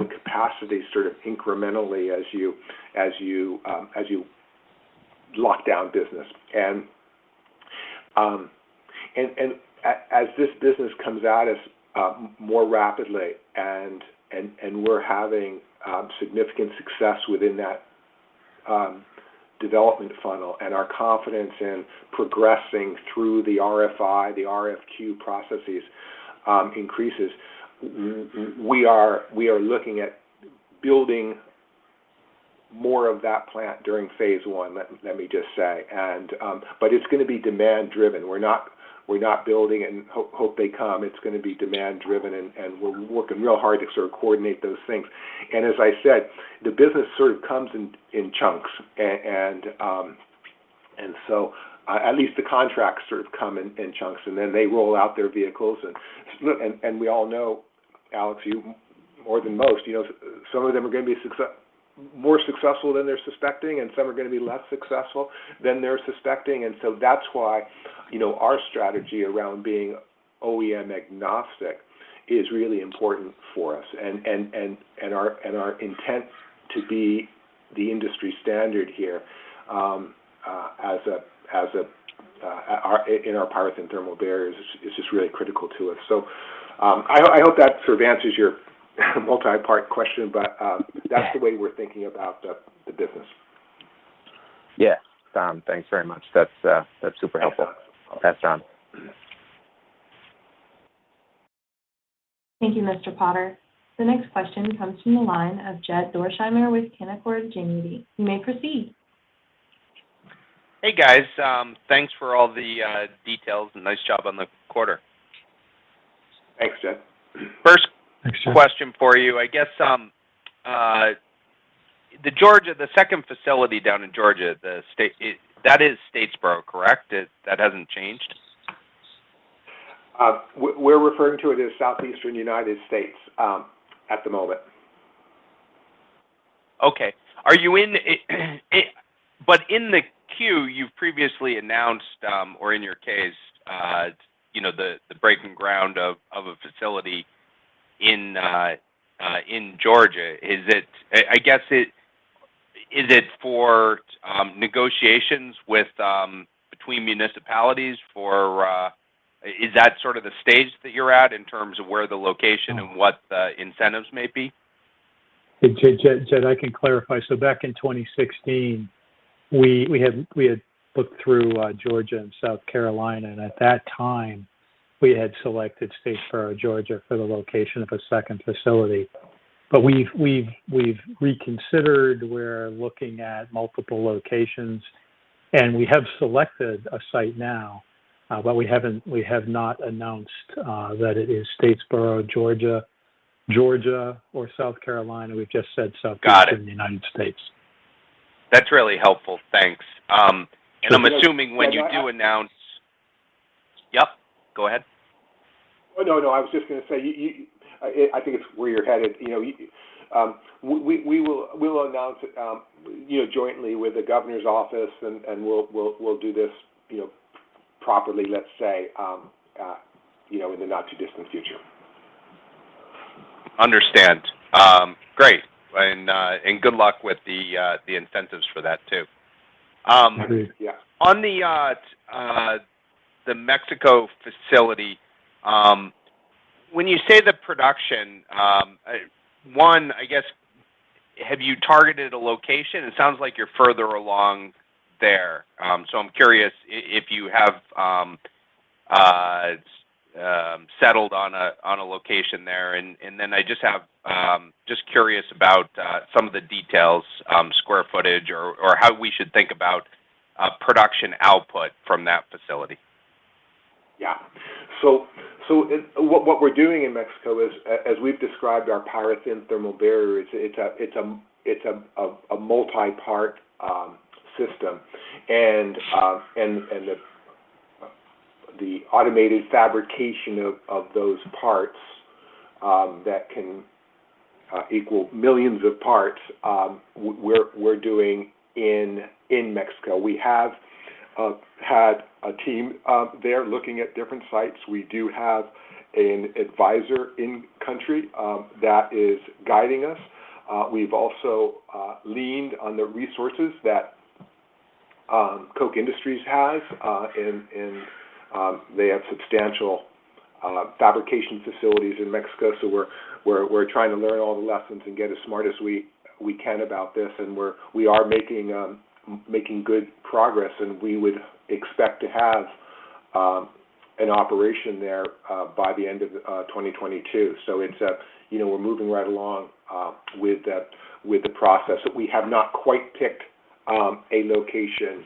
capacity sort of incrementally as you lock down business. As this business comes at us more rapidly and we're having significant success within that development funnel and our confidence in progressing through the RFI, the RFQ processes increases, we are looking at building more of that plant during phase I, let me just say. It's gonna be demand-driven. We're not building and hope they come. It's gonna be demand-driven, and we're working real hard to sort of coordinate those things. As I said, the business sort of comes in chunks. At least the contracts sort of come in chunks, and then they roll out their vehicles. We all know, Alex, you more than most, you know, some of them are gonna be more successful than they're suspecting, and some are gonna be less successful than they're suspecting. That's why, you know, our strategy around being OEM-agnostic is really important for us and our intent to be the industry standard here in our PyroThin thermal barriers is just really critical to us. I hope that sort of answers your multi-part question, but that's the way we're thinking about the business. Yes. Thanks very much. That's super helpful. That's done. Thank you, Mr. Potter. The next question comes from the line of Jed Dorsheimer with Canaccord Genuity. You may proceed. Hey, guys. Thanks for all the details, and nice job on the quarter. Thanks, Jed. First question for you. I guess, the second facility down in Georgia, the state, that is Statesboro, correct? It, that hasn't changed? We're referring to it as Southeastern United States at the moment. In the queue, you've previously announced, or in your case, you know, the breaking ground of a facility in Georgia. I guess it is for negotiations between municipalities for. Is that sort of the stage that you're at in terms of where the location and what the incentives may be? Jed, I can clarify. Back in 2016, we had looked through Georgia and South Carolina, and at that time, we had selected Statesboro, Georgia, for the location of a second facility. We've reconsidered. We're looking at multiple locations, and we have selected a site now, but we have not announced that it is Statesboro, Georgia. Georgia or South Carolina, we've just said Southeastern- Got it. the United States. That's really helpful. Thanks. I'm assuming when you do announce. Yep, go ahead. Oh, no. I was just gonna say you, I think it's where you're headed. You know, we will announce, you know, jointly with the governor's office, and we'll do this, you know, properly, let's say, you know, in the not too distant future. Understand. Great. Good luck with the incentives for that too. Agreed. Yeah. On the Mexico facility, when you say the production, I guess, have you targeted a location? It sounds like you're further along there. So I'm curious if you have settled on a location there. Just curious about some of the details, square footage or how we should think about production output from that facility. What we're doing in Mexico is as we've described our PyroThin thermal barriers, it's a multi-part system. The automated fabrication of those parts that can equal millions of parts, we're doing in Mexico. We have had a team there looking at different sites. We do have an advisor in country that is guiding us. We've also leaned on the resources that Koch Industries has, and they have substantial fabrication facilities in Mexico. We're trying to learn all the lessons and get as smart as we can about this, and we are making good progress. We would expect to have an operation there by the end of 2022. It's, you know, we're moving right along with the process. We have not quite picked a location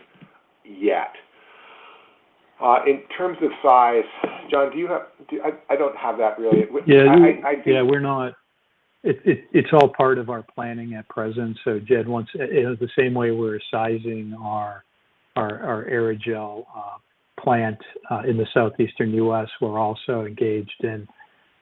yet. In terms of size, John, I don't have that really. What Yeah, I think. It's all part of our planning at present, so Jed wants, you know, the same way we're sizing our aerogel plant in the southeastern U.S., we're also engaged in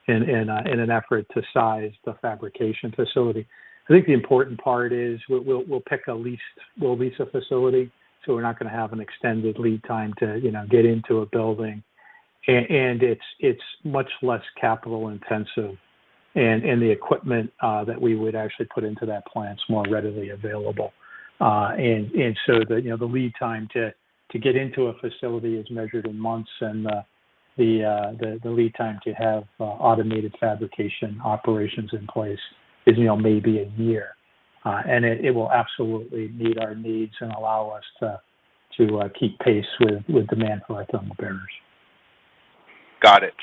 an effort to size the fabrication facility. I think the important part is we'll lease a facility, so we're not gonna have an extended lead time to, you know, get into a building. It's much less capital intensive. The equipment that we would actually put into that plant's more readily available. So the lead time to get into a facility is measured in months, and the lead time to have automated fabrication operations in place is, you know, maybe a year. It will absolutely meet our needs and allow us to keep pace with demand for our thermal barriers. Got it.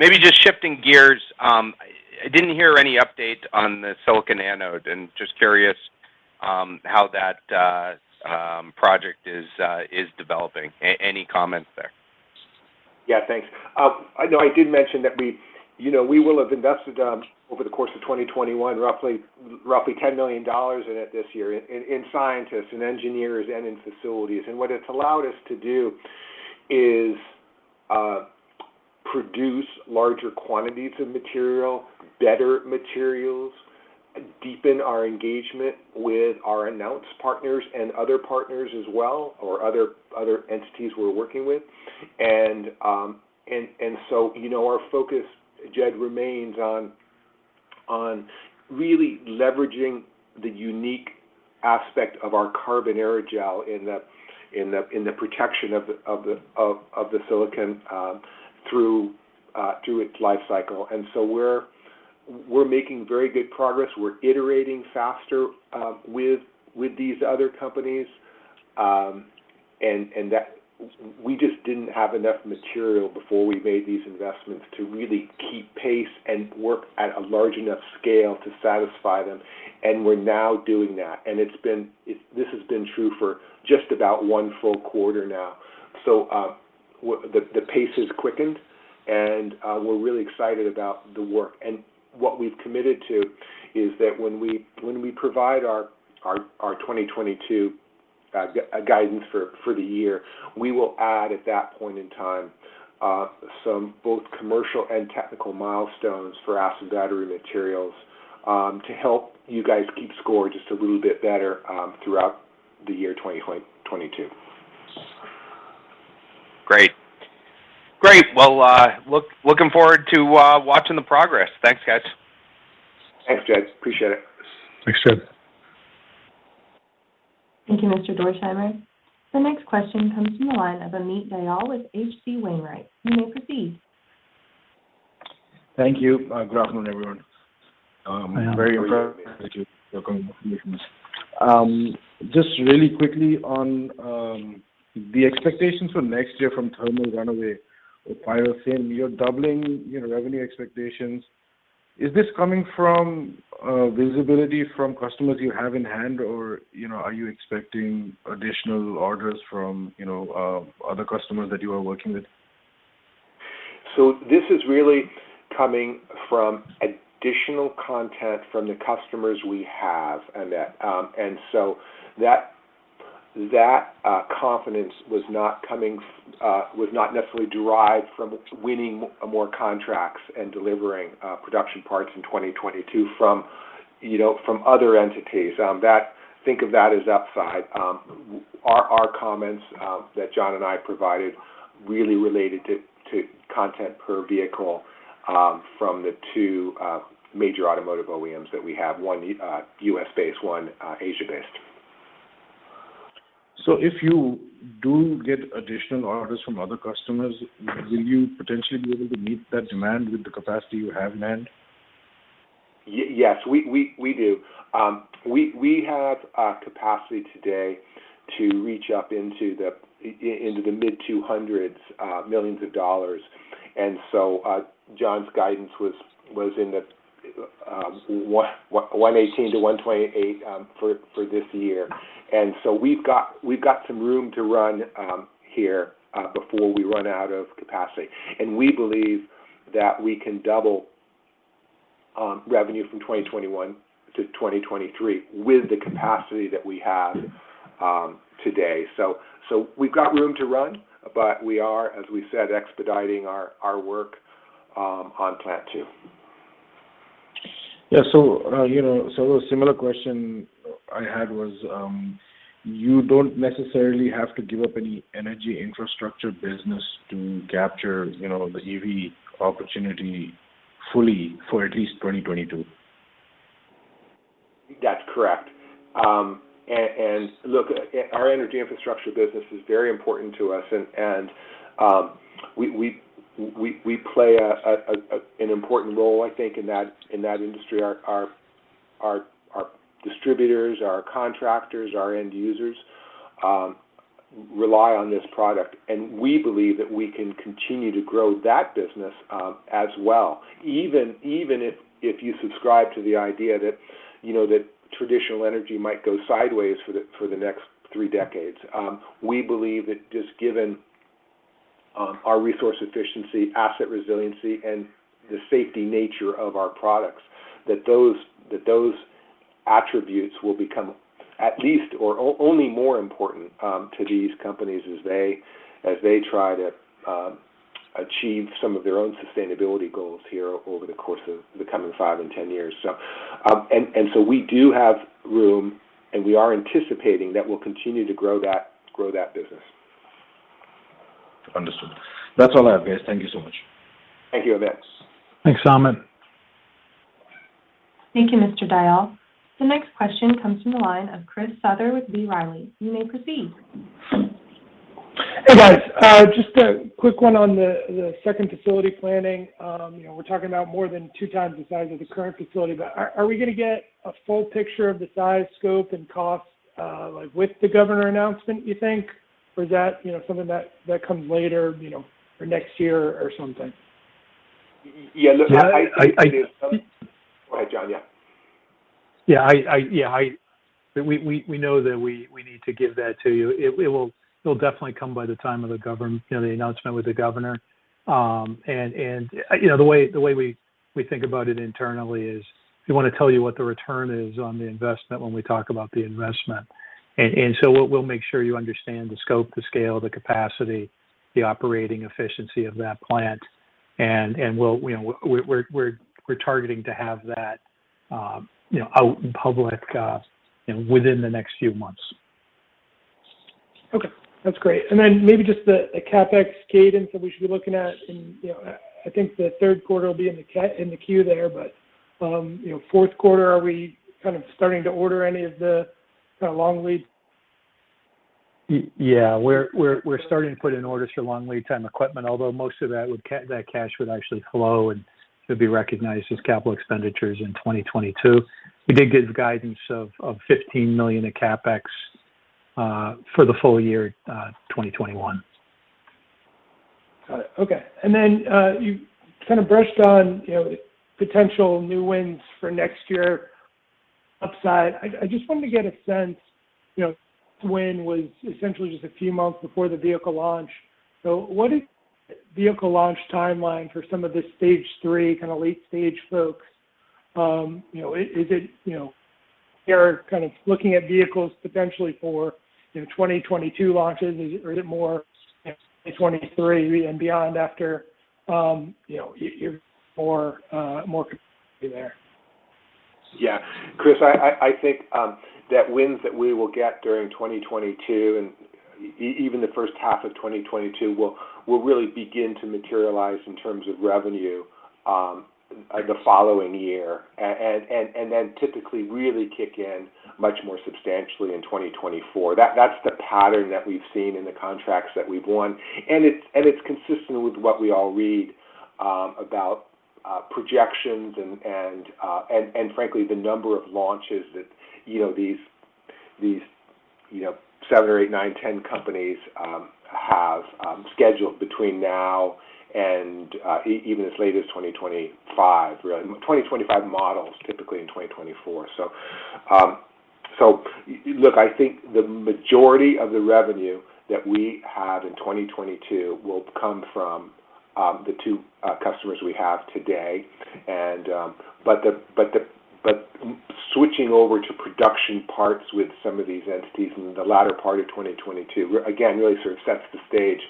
Maybe just shifting gears, I didn't hear any update on the silicon anode. Just curious how that project is developing. Any comments there? Yeah, thanks. I know I did mention that we, you know, we will have invested over the course of 2021 roughly $10 million in it this year in scientists and engineers and in facilities. What it's allowed us to do is produce larger quantities of material, better materials, deepen our engagement with our announced partners and other partners as well, or other entities we're working with. You know, our focus, Jed, remains on really leveraging the unique aspect of our carbon aerogel in the protection of the silicon through its life cycle. We're making very good progress. We're iterating faster with these other companies. We just didn't have enough material before we made these investments to really keep pace and work at a large enough scale to satisfy them, and we're now doing that. It's been true for just about one full quarter now. The pace has quickened, and we're really excited about the work. What we've committed to is that when we provide our 2022 guidance for the year, we will add at that point in time some both commercial and technical milestones for Aspen Battery Materials to help you guys keep score just a little bit better throughout the year 2022. Great. Well, looking forward to watching the progress. Thanks, guys. Thanks, Jed. Appreciate it. Thanks, Jed. Thank you, Mr. Dorsheimer. The next question comes from the line of Amit Dayal with H.C. Wainwright. You may proceed. Thank you. Good afternoon, everyone. I'm very, just really quickly on the expectations for next year from thermal runaway or PyroThin, you're doubling, you know, revenue expectations. Is this coming from visibility from customers you have in hand or, you know, are you expecting additional orders from, you know, other customers that you are working with? This is really coming from additional content from the customers we have and that confidence was not necessarily derived from winning more contracts and delivering production parts in 2022 from other entities. You know, think of that as upside. Our comments that John and I provided really related to content per vehicle from the two major automotive OEMs that we have, one U.S.-based, one Asia-based. If you do get additional orders from other customers, will you potentially be able to meet that demand with the capacity you have in hand? Yes. We do. We have capacity today to reach up into the mid-$200 million. John's guidance was in the $118 million-$128 million for this year. We've got some room to run here before we run out of capacity. We believe that we can double revenue from 2021 to 2023 with the capacity that we have today. We've got room to run, but we are, as we said, expediting our work on Plant 2. Yeah. You know, so a similar question I had was, you don't necessarily have to give up any energy infrastructure business to capture, you know, the EV opportunity fully for at least 2022? That's correct. Look, our energy infrastructure business is very important to us. We play an important role, I think, in that industry. Our distributors, our contractors, our end users rely on this product. We believe that we can continue to grow that business as well, even if you subscribe to the idea that, you know, that traditional energy might go sideways for the next 3 decades. We believe that just given our resource efficiency, asset resiliency, and the safety nature of our products, that those attributes will become at least or only more important to these companies as they try to achieve some of their own sustainability goals here over the course of the coming five and 10 years. We do have room, and we are anticipating that we'll continue to grow that business. Understood. That's all I have, guys. Thank you so much. Thank you, Amit. Thanks, Amit. Thank you, Mr. Dayal. The next question comes from the line of Chris Souther with B. Riley. You may proceed. Hey, guys. Just a quick one on the second facility planning. You know, we're talking about more than 2x the size of the current facility. Are we gonna get a full picture of the size, scope, and cost, like, with the governor announcement, you think? Or is that, you know, something that comes later, you know, or next year or something? Yeah. Look, I Yeah, I Go ahead, John. Yeah. Yeah. We know that we need to give that to you. It'll definitely come by the time of the announcement with the governor. You know, the way we think about it internally is we wanna tell you what the return is on the investment when we talk about the investment. We'll make sure you understand the scope, the scale, the capacity, the operating efficiency of that plant. We'll, you know, we're targeting to have that out in public, you know, within the next few months. Okay. That's great. Maybe just the CapEx cadence that we should be looking at in, you know, I think the third quarter will be in the Q there. Fourth quarter, are we kind of starting to order any of the kinda long lead? Yeah. We're starting to put in orders for long lead time equipment, although most of that cash would actually flow and it would be recognized as capital expenditures in 2022. We did give guidance of $15 million in CapEx for the full year 2021. Got it. Okay. You kind of brushed on, you know, potential new wins for next year upside. I just wanted to get a sense, you know, win was essentially just a few months before the vehicle launch. What is vehicle launch timeline for some of the stage three, kinda late-stage folks? You know, is it, you're kind of looking at vehicles potentially for, you know, 2022 launches? Is it, or is it more, you know, 2023 and beyond after, you know, you're more competitive there? Yeah. Chris, I think the wins that we will get during 2022 and even the first half of 2022 will really begin to materialize in terms of revenue the following year. Then typically really kick in much more substantially in 2024. That's the pattern that we've seen in the contracts that we've won. It's consistent with what we all read about projections and frankly the number of launches that you know these seven or eight, nine, 10 companies have scheduled between now and even as late as 2025 really. 2025 models typically in 2024. Look, I think the majority of the revenue that we have in 2022 will come from the two customers we have today. Switching over to production parts with some of these entities in the latter part of 2022 again really sort of sets the stage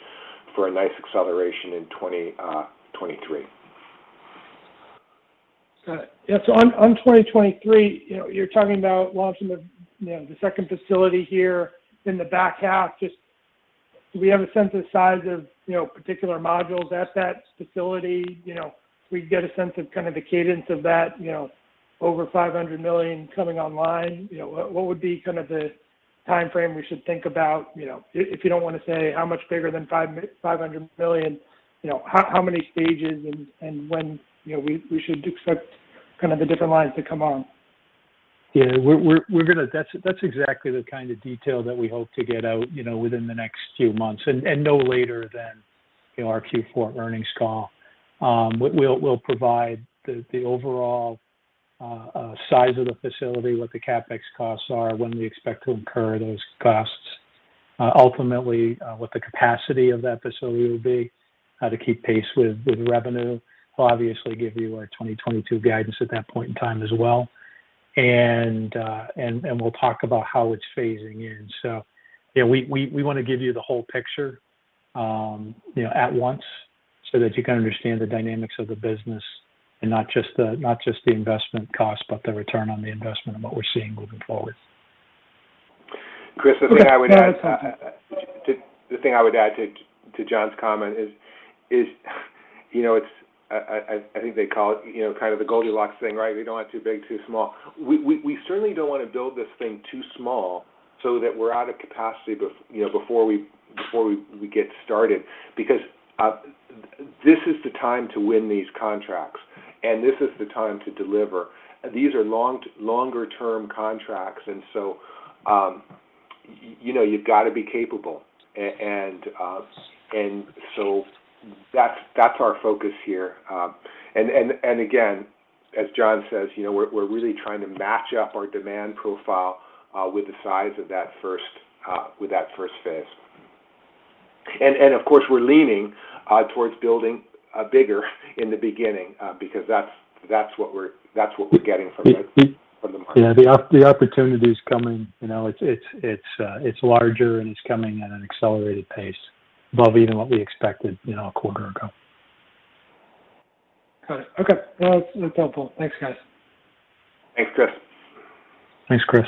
for a nice acceleration in 2023. Got it. Yeah, so on 2023, you know, you're talking about launching the, you know, the second facility here in the back half. Just, do we have a sense of size of, you know, particular modules at that facility? You know, we get a sense of kind of the cadence of that, you know, over $500 million coming online. You know, what would be kind of the timeframe we should think about, you know? If you don't wanna say how much bigger than $500 million, you know, how many stages and when, you know, we should expect kind of the different lines to come on? Yeah. That's exactly the kind of detail that we hope to get out, you know, within the next few months and no later than, you know, our Q4 earnings call. We'll provide the overall size of the facility, what the CapEx costs are, when we expect to incur those costs, ultimately what the capacity of that facility will be to keep pace with revenue. We'll obviously give you our 2022 guidance at that point in time as well. We'll talk about how it's phasing in. Yeah, we wanna give you the whole picture, you know, at once so that you can understand the dynamics of the business and not just the investment cost, but the return on the investment and what we're seeing moving forward. Chris, the thing I would add. Go ahead. The thing I would add to John's comment is, you know, it's, I think they call it, you know, kind of the Goldilocks thing, right? We don't want it too big, too small. We certainly don't wanna build this thing too small so that we're out of capacity, you know, before we get started because this is the time to win these contracts, and this is the time to deliver. These are longer term contracts. You know, you've gotta be capable. That's our focus here. Again, as John says, you know, we're really trying to match up our demand profile with the size of that first phase. Of course, we're leaning towards building bigger in the beginning, because that's what we're getting from the Yeah from the market. Yeah. The opportunity's coming. You know, it's larger, and it's coming at an accelerated pace above even what we expected, you know, a quarter ago. Got it. Okay. No, that's helpful. Thanks, guys. Thanks, Chris. Thanks, Chris.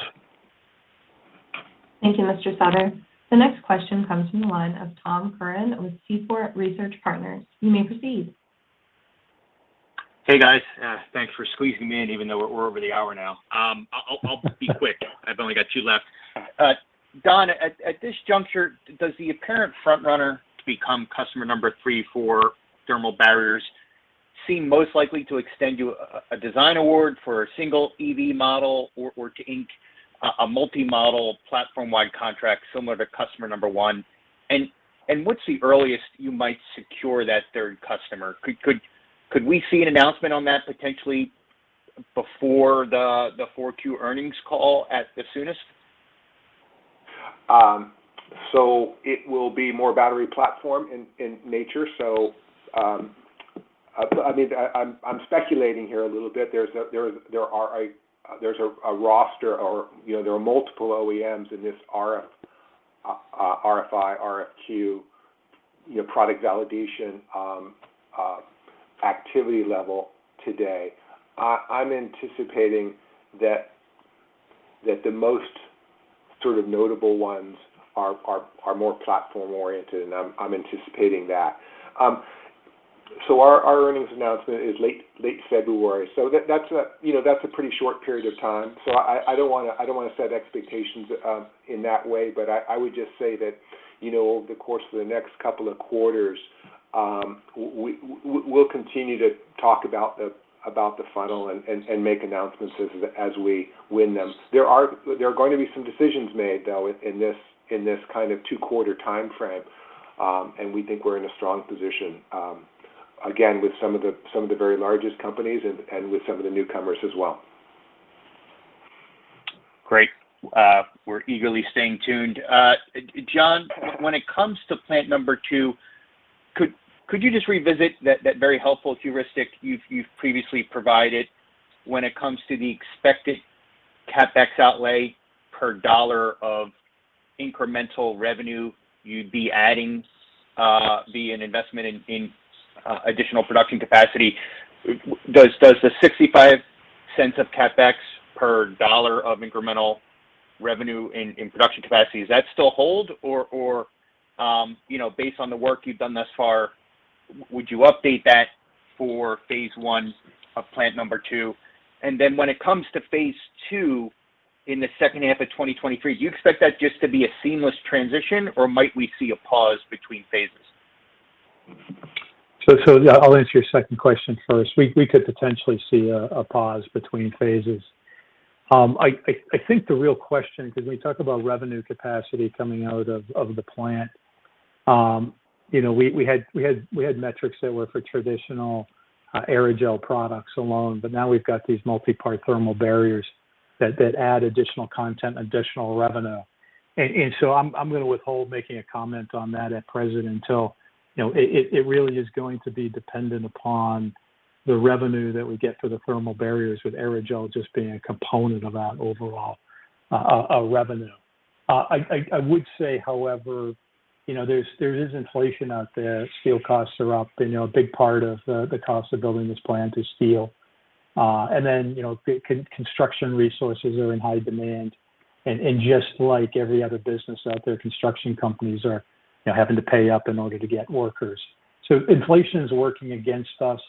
Thank you, Mr. Souther. The next question comes from the line of Tom Curran with Seaport Research Partners. You may proceed. Hey, guys. Thanks for squeezing me in, even though we're over the hour now. I'll be quick. I've only got two left. Don, at this juncture, does the apparent front runner to become customer number three for thermal barriers seem most likely to extend you a design award for a single EV model or to ink a multi-model platform-wide contract similar to customer number one? What's the earliest you might secure that third customer? Could we see an announcement on that potentially before the 4Q earnings call at the soonest? It will be more battery platform in nature. I mean, I'm speculating here a little bit. There's a roster or, you know, there are multiple OEMs in this RFI, RFQ, you know, product validation activity level today. I'm anticipating that the most sort of notable ones are more platform-oriented, and I'm anticipating that. Our earnings announcement is late February, so that's a you know pretty short period of time. I don't wanna set expectations in that way, but I would just say that, you know, over the course of the next couple of quarters, we'll continue to talk about the funnel and make announcements as we win them. There are going to be some decisions made, though, in this kind of two-quarter timeframe, and we think we're in a strong position, again, with some of the very largest companies and with some of the newcomers as well. Great. We're eagerly staying tuned. John, when it comes to plant number two, could you just revisit that very helpful heuristic you've previously provided when it comes to the expected CapEx outlay per $1 of incremental revenue you'd be adding via an investment in additional production capacity? Does the $0.65 of CapEx per $1 of incremental revenue in production capacity still hold? Or you know, based on the work you've done thus far, would you update that for phase one of Plant number two? Then when it comes to phase II in the second half of 2023, do you expect that just to be a seamless transition, or might we see a pause between phases? Yeah, I'll answer your second question first. We could potentially see a pause between phases. I think the real question, 'cause we talk about revenue capacity coming out of the plant. You know, we had metrics that were for traditional aerogel products alone, but now we've got these multi-part thermal barriers that add additional content, additional revenue. So I'm gonna withhold making a comment on that at present until it really is going to be dependent upon the revenue that we get for the thermal barriers, with aerogel just being a component of that overall revenue. I would say, however, you know, there is inflation out there. Steel costs are up, and you know, a big part of the cost of building this plant is steel. Then, you know, construction resources are in high demand. Just like every other business out there, construction companies are, you know, having to pay up in order to get workers. Inflation is working against us.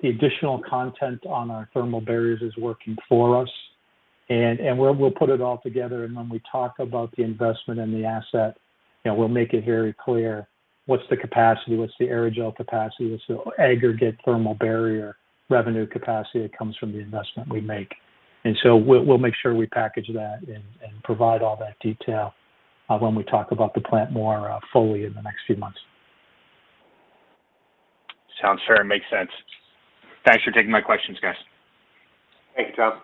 The additional content on our thermal barriers is working for us. We'll put it all together, and when we talk about the investment and the asset, you know, we'll make it very clear what's the capacity, what's the aerogel capacity, what's the aggregate thermal barrier revenue capacity that comes from the investment we make. We'll make sure we package that and provide all that detail when we talk about the plant more fully in the next few months. Sounds fair. Makes sense. Thanks for taking my questions, guys. Thank you, Tom.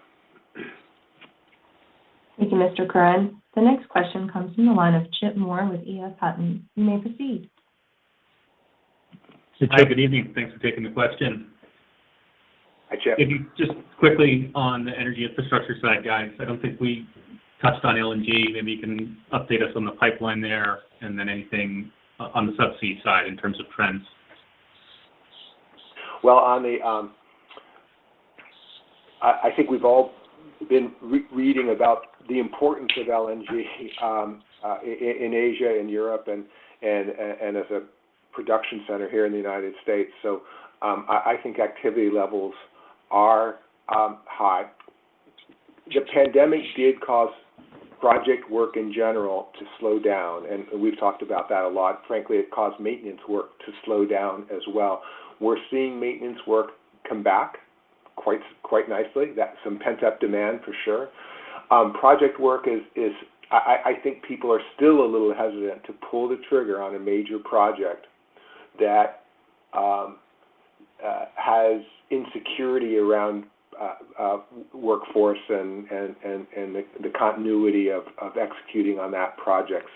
Thank you, Mr. Curran. The next question comes from the line of Chip Moore with EF Hutton. You may proceed. Hi. Good evening. Thanks for taking the question. Hi, Chip. If you just quickly on the energy infrastructure side, guys, I don't think we touched on LNG. Maybe you can update us on the pipeline there, and then anything on the subsea side in terms of trends. Well, I think we've all been reading about the importance of LNG in Asia and Europe and as a production center here in the United States. I think activity levels are high. The pandemic did cause project work in general to slow down, and we've talked about that a lot. Frankly, it caused maintenance work to slow down as well. We're seeing maintenance work come back quite nicely. That's some pent-up demand for sure. I think people are still a little hesitant to pull the trigger on a major project that has insecurity around workforce and the continuity of executing on that project.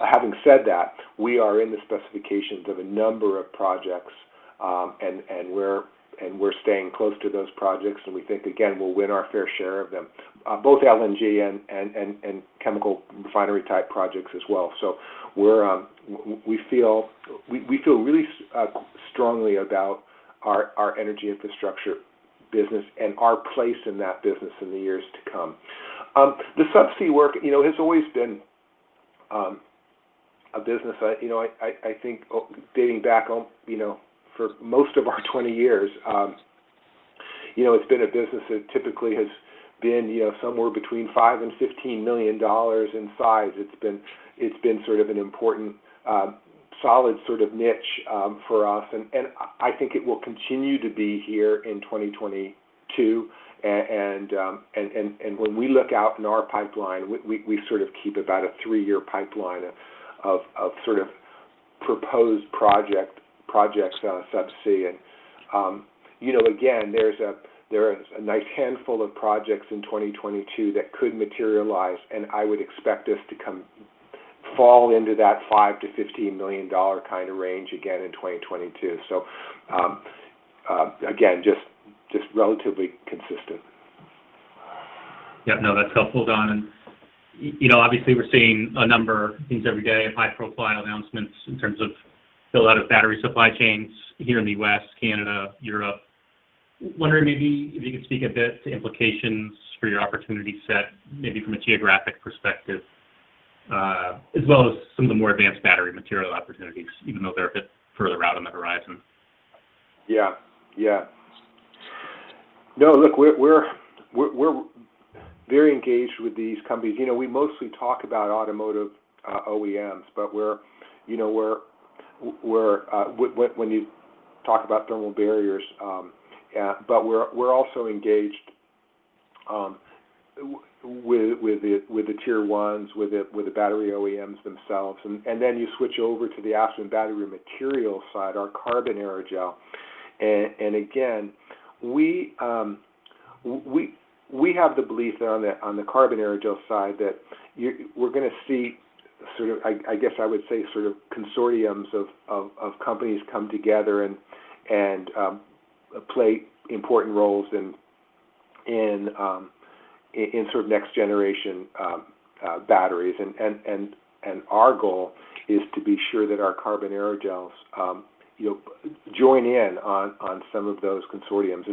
Having said that, we are in the specifications of a number of projects, and we're staying close to those projects, and we think, again, we'll win our fair share of them, both LNG and chemical refinery-type projects as well. We feel really strongly about our energy infrastructure business and our place in that business in the years to come. The subsea work, you know, has always been a business I you know think dating back to, you know, for most of our 20 years, you know, it's been a business that typically has been, you know, somewhere between $5 million and $15 million in size. It's been sort of an important, solid sort of niche for us. I think it will continue to be here in 2022. When we look out in our pipeline, we sort of keep about a three-year pipeline of sort of proposed projects on subsea. You know, again, there are a nice handful of projects in 2022 that could materialize, and I would expect this to fall into that $5 million-$15 million kind of range again in 2022. Again, relatively consistent. Yeah. No, that's helpful, Don. You know, obviously we're seeing a number of things every day of high-profile announcements in terms of build-out of battery supply chains here in the West, Canada, Europe. Wondering maybe if you could speak a bit to implications for your opportunity set, maybe from a geographic perspective, as well as some of the more advanced battery material opportunities, even though they're a bit further out on the horizon. Yeah. No, look, we're very engaged with these companies. You know, we mostly talk about automotive OEMs, but we're, you know, when you talk about thermal barriers, but we're also engaged with the Tier 1s, with the battery OEMs themselves. Then you switch over to the actual battery material side, our carbon aerogel. Again, we have the belief that on the carbon aerogel side that we're gonna see sort of, I guess I would say sort of consortiums of companies come together and play important roles in sort of next generation batteries. Our goal is to be sure that our carbon aerogels, you know, join in on some of those consortiums.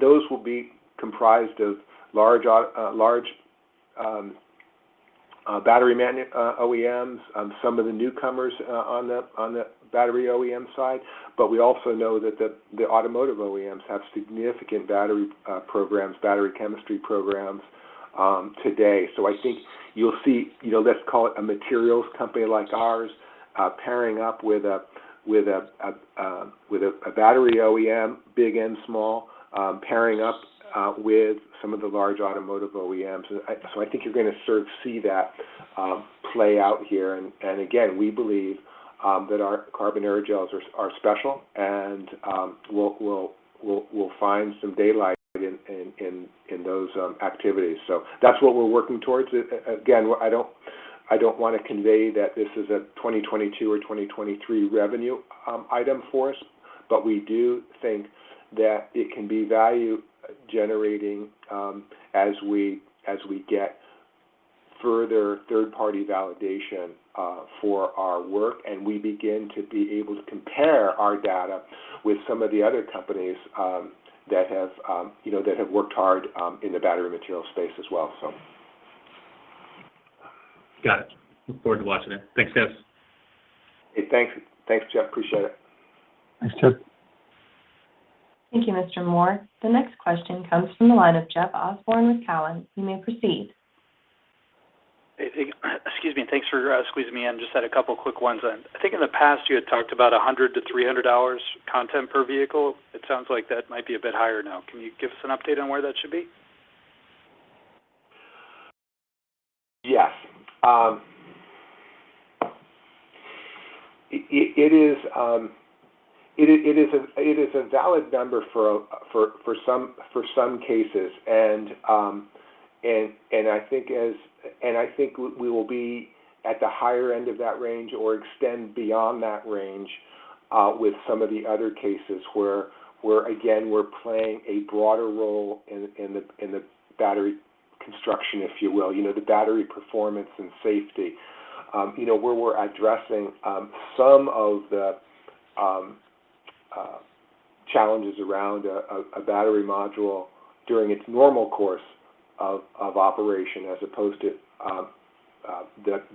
Those will be comprised of large battery OEMs, some of the newcomers on the battery OEM side. We also know that the automotive OEMs have significant battery programs, battery chemistry programs today. I think you'll see, you know, let's call it a materials company like ours, pairing up with a battery OEM, big and small, pairing up with some of the large automotive OEMs. I think you're gonna sort of see that play out here. Again, we believe that our carbon aerogels are special and we'll find some daylight in those activities. That's what we're working towards. Again, I don't wanna convey that this is a 2022 or 2023 revenue item for us. We do think that it can be value generating as we get further third-party validation for our work, and we begin to be able to compare our data with some of the other companies that have, you know, worked hard in the battery material space as well. Got it. Look forward to watching it. Thanks, guys. Hey, thanks. Thanks, Chip. Appreciate it. Thanks, Chip. Thank you, Mr. Moore. The next question comes from the line of Jeff Osborne with Cowen. You may proceed. Hey, thank you. Excuse me, and thanks for squeezing me in. Just had a couple quick ones. I think in the past, you had talked about $100-$300 content per vehicle. It sounds like that might be a bit higher now. Can you give us an update on where that should be? Yes. It is a valid number for some cases. I think we will be at the higher end of that range or extend beyond that range with some of the other cases where we're playing a broader role in the battery construction, if you will. You know, the battery performance and safety. You know, where we're addressing some of the challenges around a battery module during its normal course of operation as opposed to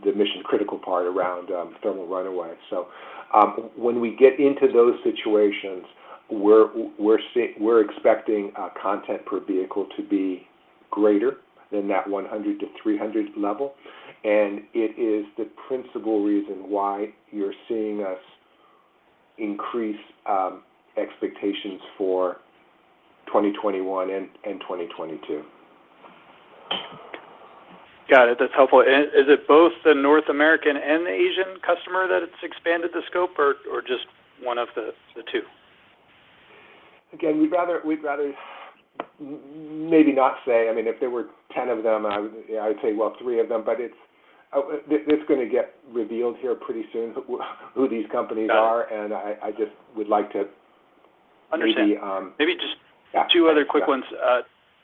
the mission-critical part around thermal runaway. When we get into those situations, we're expecting content per vehicle to be greater than that $100-$300 level. It is the principal reason why you're seeing us increase expectations for 2021 and 2022. Got it. That's helpful. Is it both the North American and the Asian customer that it's expanded the scope or just one of the two? Again, we'd rather maybe not say. I mean, if there were 10 of them, I would say, well, three of them. It's gonna get revealed here pretty soon who these companies are. Got it. I just would like to. Understand Maybe. Maybe just- Yeah... two other quick ones,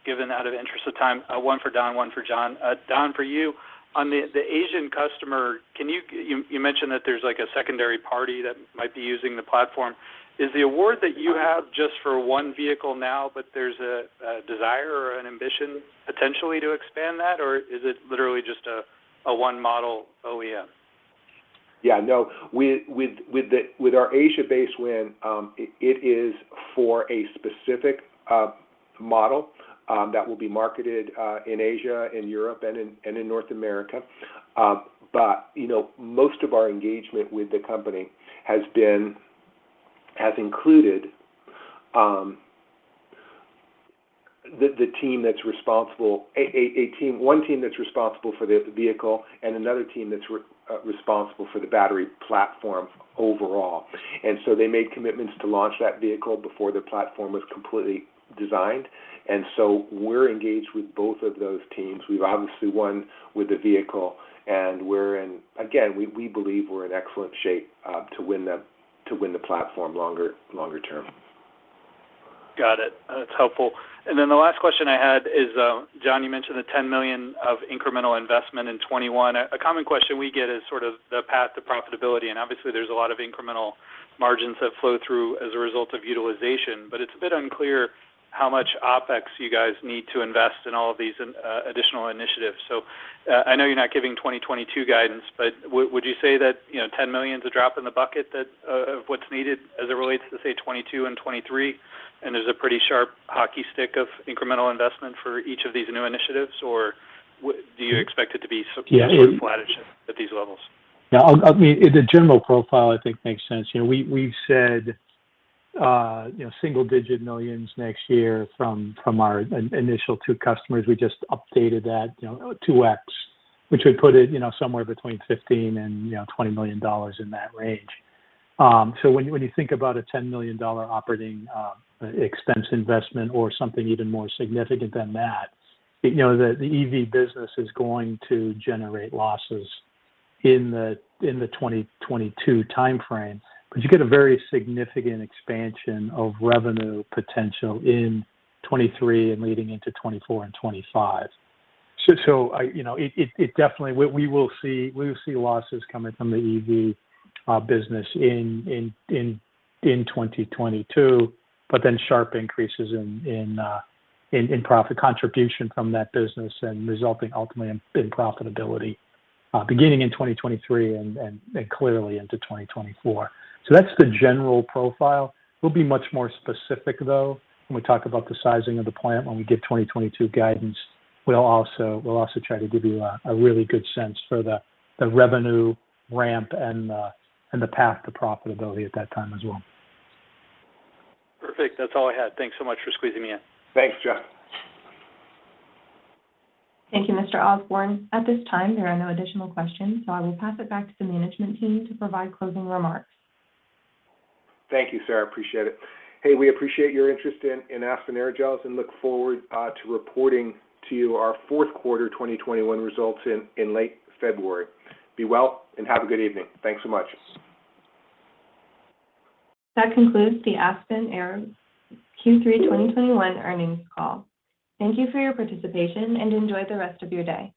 in the interest of time. One for Don, one for John. Don, for you, on the Asian customer, you mentioned that there's like a secondary party that might be using the platform. Is the award that you have just for one vehicle now, but there's a desire or an ambition potentially to expand that? Or is it literally just a one model OEM? Yeah, no. With our Asia-based win, it is for a specific model that will be marketed in Asia and Europe and in North America. You know, most of our engagement with the company has included the team that's responsible, one team that's responsible for the vehicle and another team that's responsible for the battery platform overall. They made commitments to launch that vehicle before the platform was completely designed. We're engaged with both of those teams. We've obviously won with the vehicle. Again, we believe we're in excellent shape to win the platform longer term. Got it. That's helpful. Then the last question I had is, John, you mentioned the $10 million of incremental investment in 2021. A common question we get is sort of the path to profitability, and obviously there's a lot of incremental margins that flow through as a result of utilization, but it's a bit unclear how much OpEx you guys need to invest in all of these additional initiatives. I know you're not giving 2022 guidance, but would you say that, you know, $10 million is a drop in the bucket of what's needed as it relates to, say, 2022 and 2023, and there's a pretty sharp hockey stick of incremental investment for each of these new initiatives? Or do you expect it to be sort of more flattish at these levels? Yeah, I mean, the general profile I think makes sense. You know, we've said, you know, single-digit millions next year from our initial two customers. We just updated that, you know, to 2x, which would put it, you know, somewhere between $15 million and $20 million in that range. So when you think about a $10 million operating expense investment or something even more significant than that, you know, the EV business is going to generate losses in the 2022 timeframe. But you get a very significant expansion of revenue potential in 2023 and leading into 2024 and 2025. So, I... You know, we will see losses coming from the EV business in 2022, but then sharp increases in profit contribution from that business and resulting ultimately in profitability beginning in 2023 and clearly into 2024. That's the general profile. We'll be much more specific, though, when we talk about the sizing of the plant when we give 2022 guidance. We'll also try to give you a really good sense for the revenue ramp and the path to profitability at that time as well. Perfect. That's all I had. Thanks so much for squeezing me in. Thanks, Jeff. Thank you, Mr. Osborne. At this time, there are no additional questions, so I will pass it back to the management team to provide closing remarks. Thank you, Sarah. Appreciate it. Hey, we appreciate your interest in Aspen Aerogels and look forward to reporting to you our fourth quarter 2021 results in late February. Be well, and have a good evening. Thanks so much. That concludes the Aspen Aerogels Q3 2021 earnings call. Thank you for your participation, and enjoy the rest of your day.